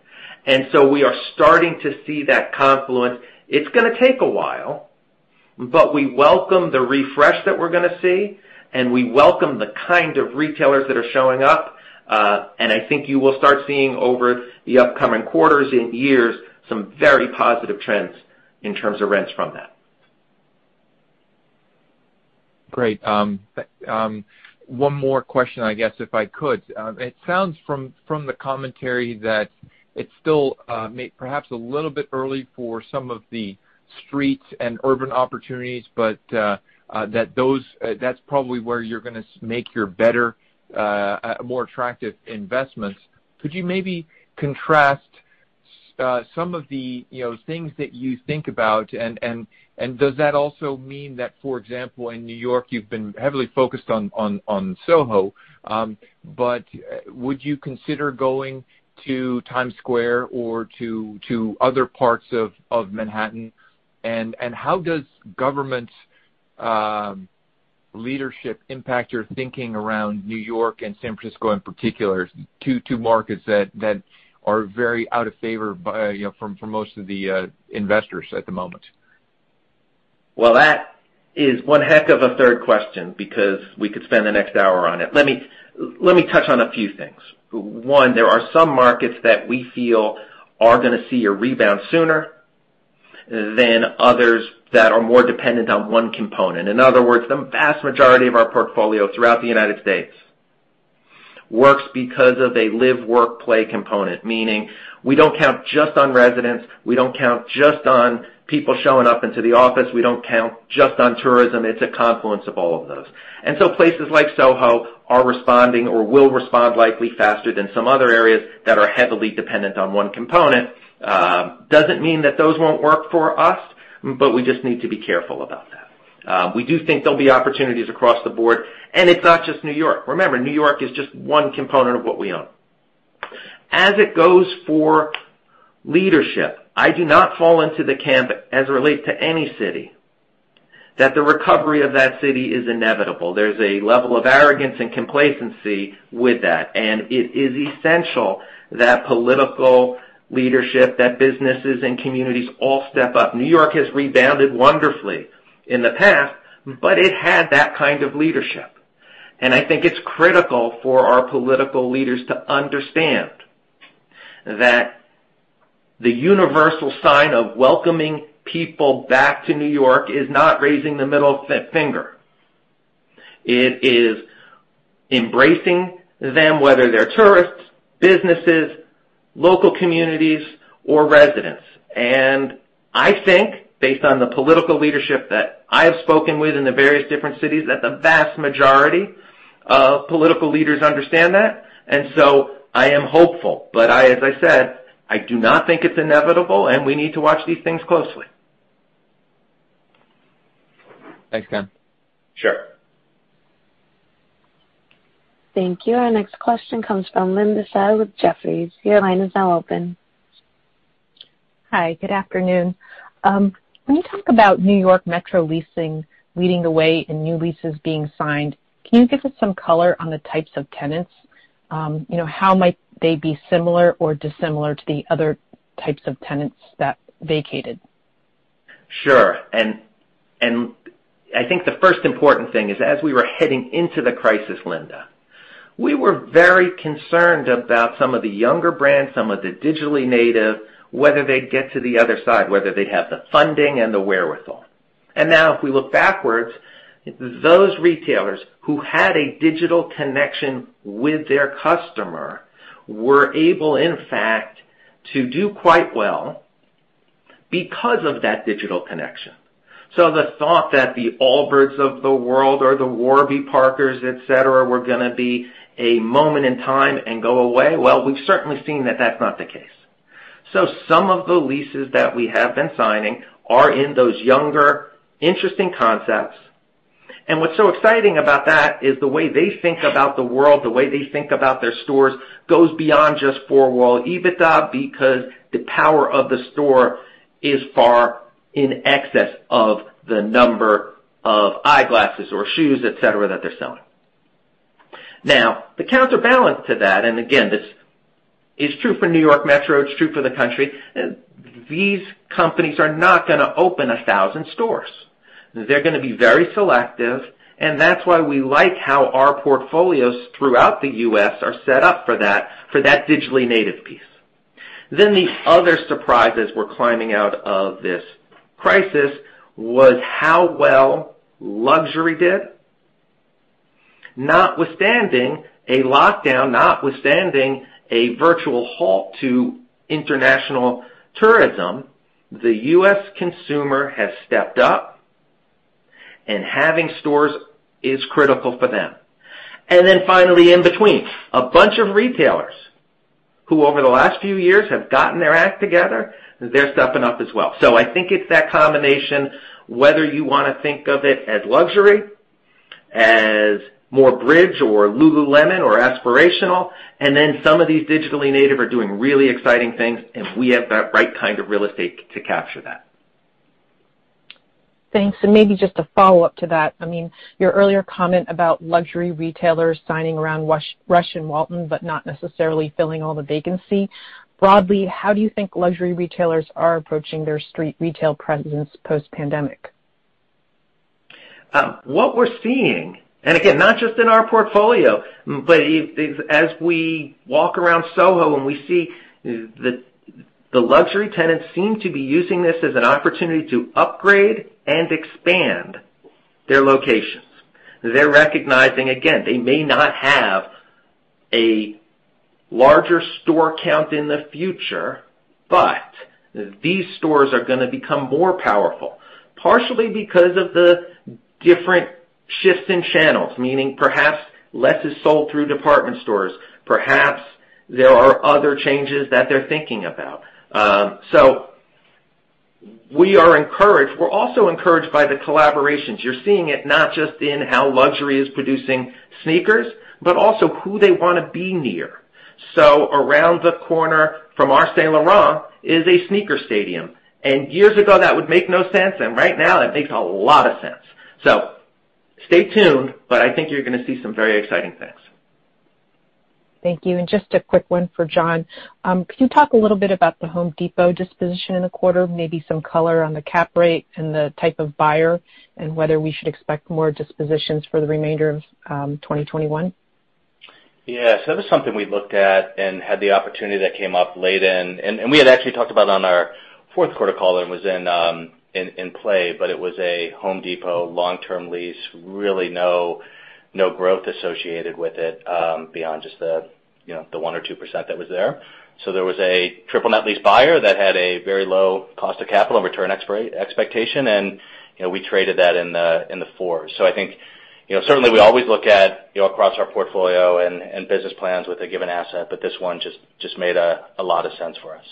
We are starting to see that confluence. It's going to take a while, but we welcome the refresh that we're going to see, and we welcome the kind of retailers that are showing up. I think you will start seeing over the upcoming quarters and years, some very positive trends in terms of rents from that. Great. One more question, I guess, if I could. It sounds from the commentary that it's still perhaps a little bit early for some of the streets and urban opportunities, but that's probably where you're going to make your better, more attractive investments. Could you maybe contrast some of the things that you think about? Does that also mean that, for example, in New York, you've been heavily focused on SoHo, but would you consider going to Times Square or to other parts of Manhattan? How does government leadership impact your thinking around New York and San Francisco in particular, two markets that are very out of favor for most of the investors at the moment? Well, that is one heck of a third question, because we could spend the next hour on it. Let me touch on a few things. One, there are some markets that we feel are going to see a rebound sooner than others that are more dependent on one component. In other words, the vast majority of our portfolio throughout the U.S. works because of a live-work-play component, meaning we don't count just on residents, we don't count just on people showing up into the office, we don't count just on tourism. It's a confluence of all of those. Places like Soho are responding or will respond likely faster than some other areas that are heavily dependent on one component. Doesn't mean that those won't work for us, but we just need to be careful about that. We do think there'll be opportunities across the board, and it's not just New York. Remember, New York is just one component of what we own. As it goes for leadership, I do not fall into the camp, as it relates to any city, that the recovery of that city is inevitable. There's a level of arrogance and complacency with that, and it is essential that political leadership, that businesses and communities all step up. New York has rebounded wonderfully in the past, but it had that kind of leadership. I think it's critical for our political leaders to understand that the universal sign of welcoming people back to New York is not raising the middle finger. It is embracing them, whether they're tourists, businesses, local communities, or residents. I think, based on the political leadership that I have spoken with in the various different cities, that the vast majority of political leaders understand that. I am hopeful. As I said, I do not think it's inevitable, and we need to watch these things closely. Thanks, Ken. Sure. Thank you. Our next question comes from Linda Tsai with Jefferies. Your line is now open. Hi. Good afternoon. When you talk about New York Metro leasing leading the way in new leases being signed, can you give us some color on the types of tenants? How might they be similar or dissimilar to the other types of tenants that vacated? Sure. I think the first important thing is, as we were heading into the crisis, Linda Tsai, we were very concerned about some of the younger brands, some of the digitally native, whether they'd get to the other side, whether they'd have the funding and the wherewithal. Now, if we look backwards, those retailers who had a digital connection with their customer were able, in fact, to do quite well because of that digital connection. The thought that the Allbirds of the world or the Warby Parker, et cetera, were going to be a moment in time and go away, well, we've certainly seen that that's not the case. Some of the leases that we have been signing are in those younger, interesting concepts. What's so exciting about that is the way they think about the world, the way they think about their stores, goes beyond just four-wall EBITDA, because the power of the store is far in excess of the number of eyeglasses or shoes, et cetera, that they're selling. The counterbalance to that, and again, this is true for New York Metro, it's true for the country, these companies are not going to open 1,000 stores. They're going to be very selective, and that's why we like how our portfolios throughout the U.S. are set up for that digitally native piece. The other surprises were climbing out of this crisis was how well luxury did. Notwithstanding a lockdown, notwithstanding a virtual halt to international tourism, the U.S. consumer has stepped up, and having stores is critical for them. Finally, in between, a bunch of retailers, who over the last few years have gotten their act together, they're stepping up as well. I think it's that combination, whether you want to think of it as luxury, as more bridge or Lululemon or aspirational, and then some of these digitally native are doing really exciting things, and we have that right kind of real estate to capture that. Thanks. Maybe just a follow-up to that. Your earlier comment about luxury retailers signing around Rush and Walton, but not necessarily filling all the vacancy. Broadly, how do you think luxury retailers are approaching their street retail presence post-pandemic? What we're seeing, again, not just in our portfolio, but as we walk around Soho and we see the luxury tenants seem to be using this as an opportunity to upgrade and expand their locations. They're recognizing, again, they may not have a larger store count in the future, these stores are going to become more powerful. Partially because of the different shifts in channels, meaning perhaps less is sold through department stores. Perhaps there are other changes that they're thinking about. We are encouraged. We're also encouraged by the collaborations. You're seeing it not just in how luxury is producing sneakers, also who they want to be near. Around the corner from our Saint Laurent is a sneaker stadium. Years ago that would make no sense, right now it makes a lot of sense. Stay tuned, but I think you're going to see some very exciting things. Thank you. Just a quick one for John. Could you talk a little bit about The Home Depot disposition in the quarter, maybe some color on the cap rate and the type of buyer, and whether we should expect more dispositions for the remainder of 2021? Yeah. That was something we looked at and had the opportunity that came up late in. We had actually talked about on our fourth quarter call, and was in play, but it was a Home Depot long-term lease. Really no growth associated with it, beyond just the 1% or 2% that was there. There was a triple net lease buyer that had a very low cost of capital and return expectation, and we traded that in the four. I think, certainly we always look at across our portfolio and business plans with a given asset, but this one just made a lot of sense for us.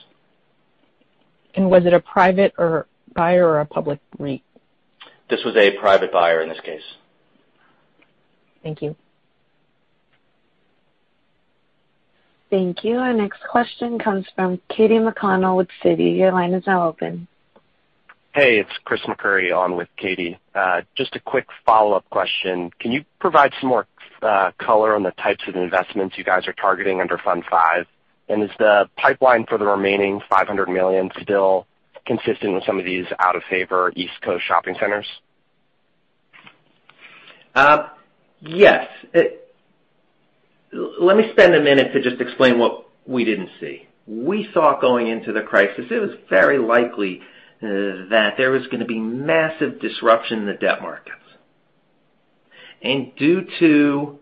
Was it a private buyer or a public REIT? This was a private buyer in this case. Thank you. Thank you. Our next question comes from Katy McConnell with Citi. Your line is now open. Hey, it's Chris McCurry on with Katy. Just a quick follow-up question. Can you provide some more color on the types of investments you guys are targeting under Fund V? Is the pipeline for the remaining $500 million still consistent with some of these out-of-favor East Coast shopping centers? Yes. Let me spend a minute to just explain what we didn't see. We thought going into the crisis, it was very likely that there was going to be massive disruption in the debt markets. Due to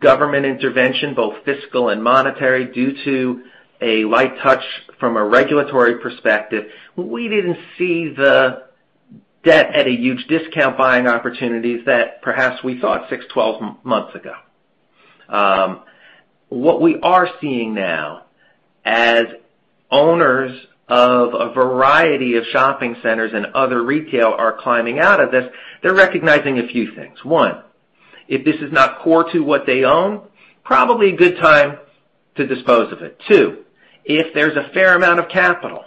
government intervention, both fiscal and monetary, due to a light touch from a regulatory perspective, we didn't see the debt at a huge discount buying opportunities that perhaps we thought six, 12 months ago. What we are seeing now as owners of a variety of shopping centers and other retail are climbing out of this, they're recognizing a few things. One, if this is not core to what they own, probably a good time to dispose of it. Two, if there's a fair amount of capital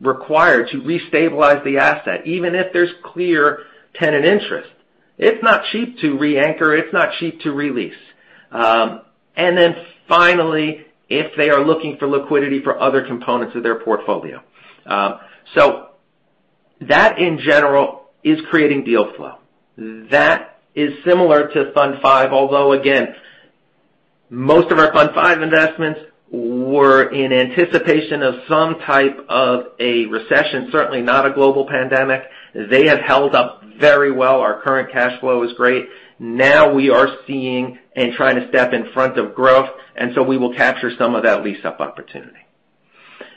required to restabilize the asset, even if there's clear tenant interest, it's not cheap to reanchor, it's not cheap to re-lease. Finally, if they are looking for liquidity for other components of their portfolio. That in general is creating deal flow. That is similar to Fund V. Although again, most of our Fund V investments were in anticipation of some type of a recession, certainly not a global pandemic. They have held up very well. Our current cash flow is great. Now we are seeing and trying to step in front of growth, and so we will capture some of that lease-up opportunity.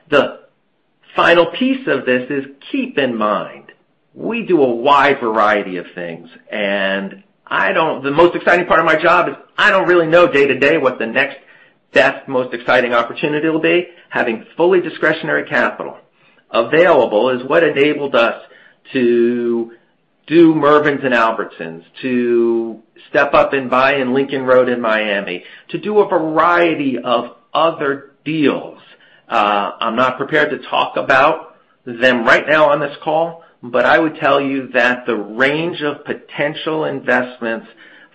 The final piece of this is, keep in mind, we do a wide variety of things, and the most exciting part of my job is I don't really know day to day what the next best, most exciting opportunity will be. Having fully discretionary capital available is what enabled us to do Mervyn's and Albertsons, to step up and buy in Lincoln Road in Miami, to do a variety of other deals. I'm not prepared to talk about them right now on this call, but I would tell you that the range of potential investments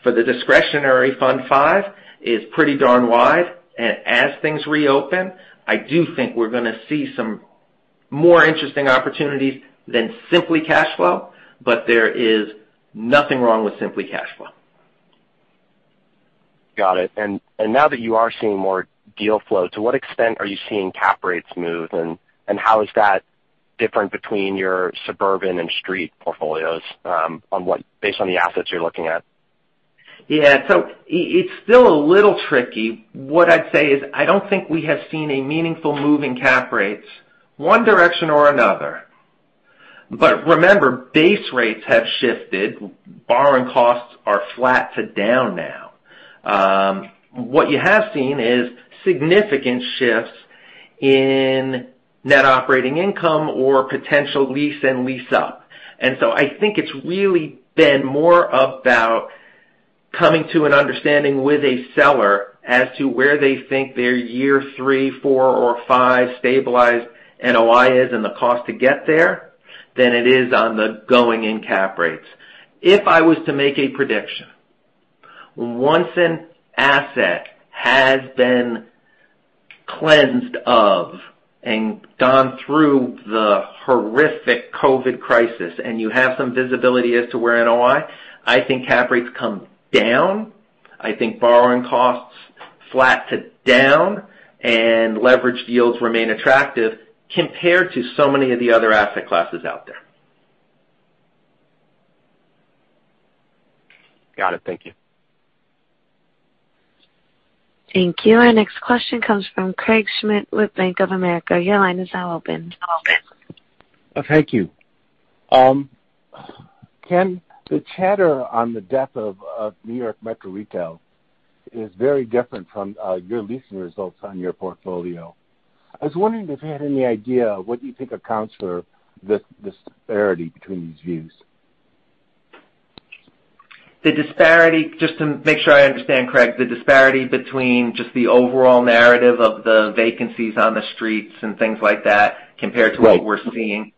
for the discretionary Fund V is pretty darn wide. As things reopen, I do think we're going to see some more interesting opportunities than simply cash flow, but there is nothing wrong with simply cash flow. Got it. Now that you are seeing more deal flow, to what extent are you seeing cap rates move, and how is that different between your suburban and street portfolios based on the assets you're looking at? Yeah. It's still a little tricky. What I'd say is, I don't think we have seen a meaningful move in cap rates one direction or another. Remember, base rates have shifted. Borrowing costs are flat to down now. What you have seen is significant shifts in net operating income or potential lease and lease up. I think it's really been more about coming to an understanding with a seller as to where they think their year three, four or five stabilized NOI is and the cost to get there than it is on the going-in cap rates. If I was to make a prediction, once an asset has been cleansed of and gone through the horrific COVID crisis, and you have some visibility as to where NOI, I think cap rates come down. I think borrowing costs flat to down, and leverage deals remain attractive compared to so many of the other asset classes out there. Got it. Thank you. Thank you. Our next question comes from Craig Schmidt with Bank of America. Your line is now open. Thank you. Ken, the chatter on the death of New York Metro retail is very different from your leasing results on your portfolio. I was wondering if you had any idea of what you think accounts for this disparity between these views? Just to make sure I understand, Craig, the disparity between just the overall narrative of the vacancies on the streets and things like that compared to- Right. -what we're seeing.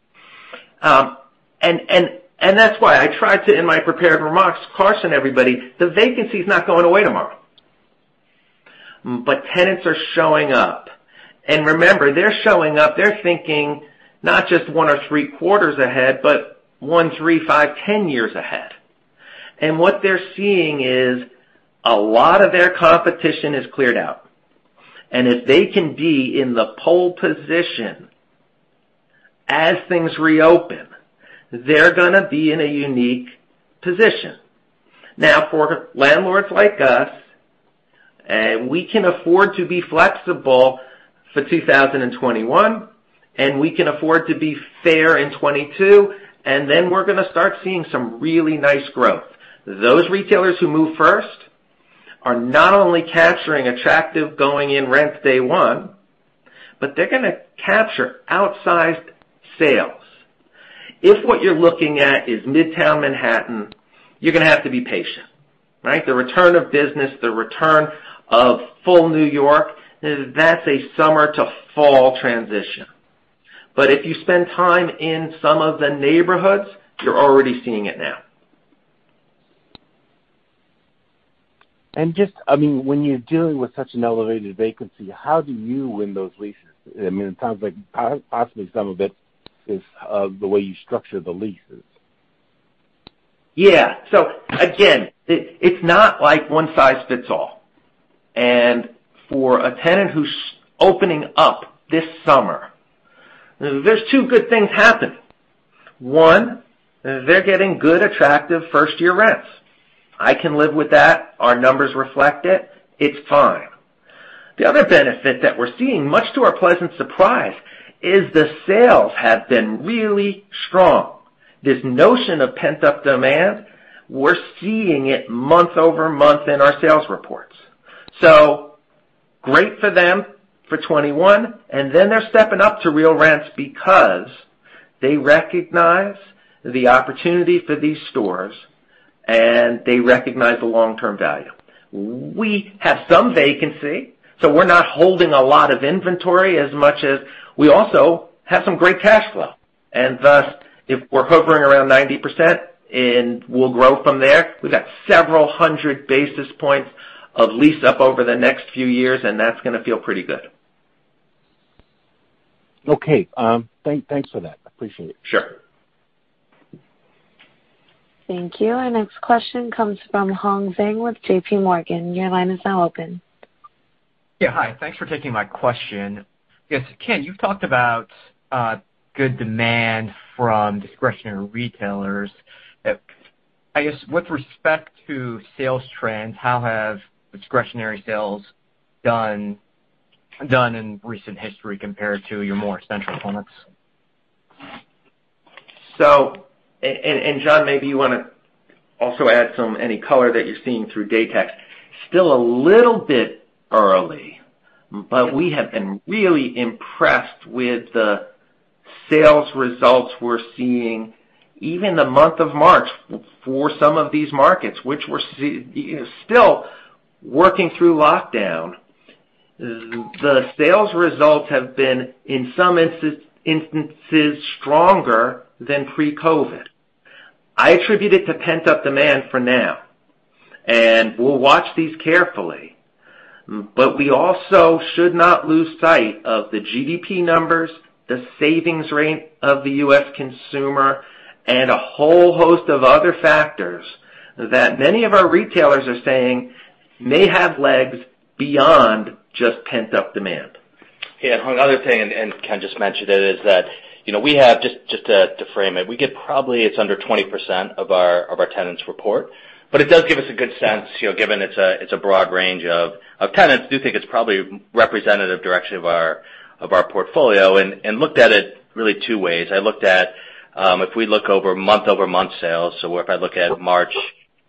That's why I tried to, in my prepared remarks, caution everybody, the vacancy's not going away tomorrow. Tenants are showing up. Remember, they're showing up, they're thinking not just one or three quarters ahead, but one, three, five, 10 years ahead. What they're seeing is a lot of their competition is cleared out. If they can be in the pole position as things reopen, they're gonna be in a unique position. Now, for landlords like us, we can afford to be flexible for 2021, and we can afford to be fair in 2022, then we're gonna start seeing some really nice growth. Those retailers who move first are not only capturing attractive going-in rents day one, but they're gonna capture outsized sales. If what you're looking at is Midtown Manhattan, you're gonna have to be patient, right? The return of business, the return of full New York, that's a summer to fall transition. If you spend time in some of the neighborhoods, you're already seeing it now. Just, when you're dealing with such an elevated vacancy, how do you win those leases? It sounds like possibly some of it is the way you structure the leases. Yeah. Again, it's not like one size fits all. For a tenant who's opening up this summer, there's two good things happening. One, they're getting good, attractive first-year rents. I can live with that. Our numbers reflect it. It's fine. The other benefit that we're seeing, much to our pleasant surprise, is the sales have been really strong. This notion of pent-up demand, we're seeing it month-over-month in our sales reports. Great for them for 2021, they're stepping up to real rents because they recognize the opportunity for these stores, and they recognize the long-term value. We have some vacancy, so we're not holding a lot of inventory as much as we also have some great cash flow. Thus, if we're hovering around 90%, and we'll grow from there, we've got several hundred basis points of lease up over the next few years, and that's gonna feel pretty good. Okay. Thanks for that. Appreciate it. Sure. Thank you. Our next question comes from Hong Zhang with JPMorgan. Your line is now open. Yeah. Hi. Thanks for taking my question. I guess, Ken, you've talked about good demand from discretionary retailers. I guess with respect to sales trends, how have discretionary sales done in recent history compared to your more essential formats? John, maybe you want to also add any color that you're seeing through Placer.ai. Still a little bit early, but we have been really impressed with the sales results we're seeing, even the month of March for some of these markets, which we're still working through lockdown. The sales results have been, in some instances, stronger than pre-COVID. I attribute it to pent-up demand for now, and we'll watch these carefully. We also should not lose sight of the GDP numbers, the savings rate of the U.S. consumer, and a whole host of other factors that many of our retailers are saying may have legs beyond just pent-up demand. Hong, the other thing, Ken just mentioned it, is that we have, just to frame it, we get probably it's under 20% of our tenants' report, but it does give us a good sense, given it's a broad range of tenants, do think it's probably representative direction of our portfolio, and looked at it really two ways. I looked at, if we look over month-over-month sales, so if I look at March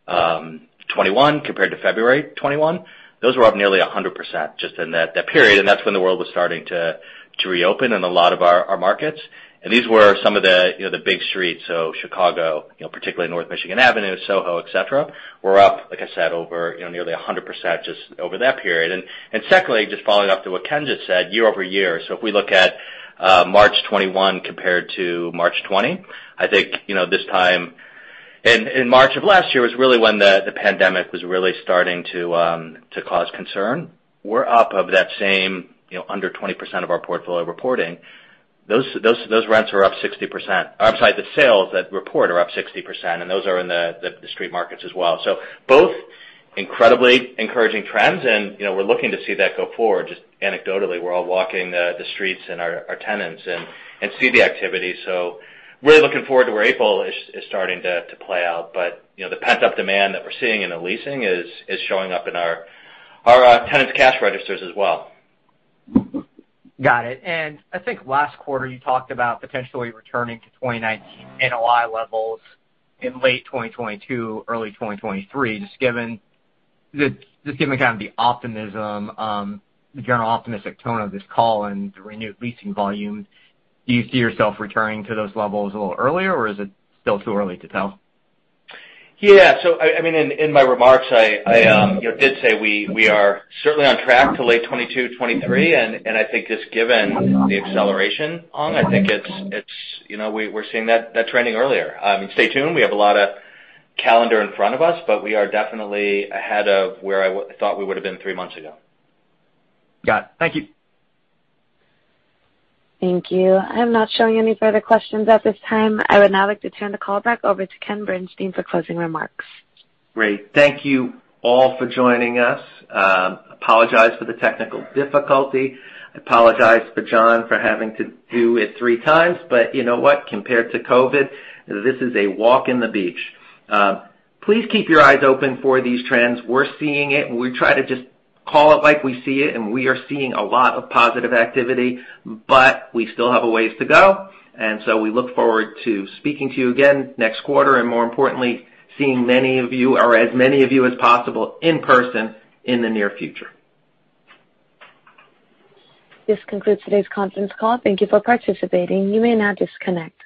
2021 compared to February 2021, those were up nearly 100% just in that period, and that's when the world was starting to reopen in a lot of our markets. These were some of the big streets, so Chicago, particularly North Michigan Avenue, SoHo, et cetera, were up, like I said, over nearly 100% just over that period. Secondly, just following up to what Ken just said, year-over-year, so if we look at March 2021 compared to March 2020, I think this time in March of last year was really when the pandemic was really starting to cause concern. We're up of that same under 20% of our portfolio reporting. Those rents are up 60%. I'm sorry, the sales that report are up 60%, and those are in the street markets as well. Both incredibly encouraging trends, and we're looking to see that go forward. Just anecdotally, we're all walking the streets and our tenants and see the activity. Really looking forward to where April is starting to play out. The pent-up demand that we're seeing in the leasing is showing up in our tenants' cash registers as well. Got it. I think last quarter you talked about potentially returning to 2019 NOI levels in late 2022, early 2023. Just given kind of the optimism, the general optimistic tone of this call and the renewed leasing volume, do you see yourself returning to those levels a little earlier, or is it still too early to tell? Yeah. I mean, in my remarks, I did say we are certainly on track to late 2022, 2023, I think just given the acceleration, Hong, I think we're seeing that trending earlier. Stay tuned, we have a lot of calendar in front of us, we are definitely ahead of where I thought we would've been three months ago. Got it. Thank you. Thank you. I'm not showing any further questions at this time. I would now like to turn the call back over to Ken Bernstein for closing remarks. Great. Thank you all for joining us. Apologize for the technical difficulty. Apologize for John for having to do it three times. You know what? Compared to COVID, this is a walk in the beach. Please keep your eyes open for these trends. We're seeing it, and we try to just call it like we see it. We are seeing a lot of positive activity. We still have a ways to go. We look forward to speaking to you again next quarter. More importantly, seeing many of you or as many of you as possible in person in the near future. This concludes today's conference call. Thank you for participating. You may now disconnect.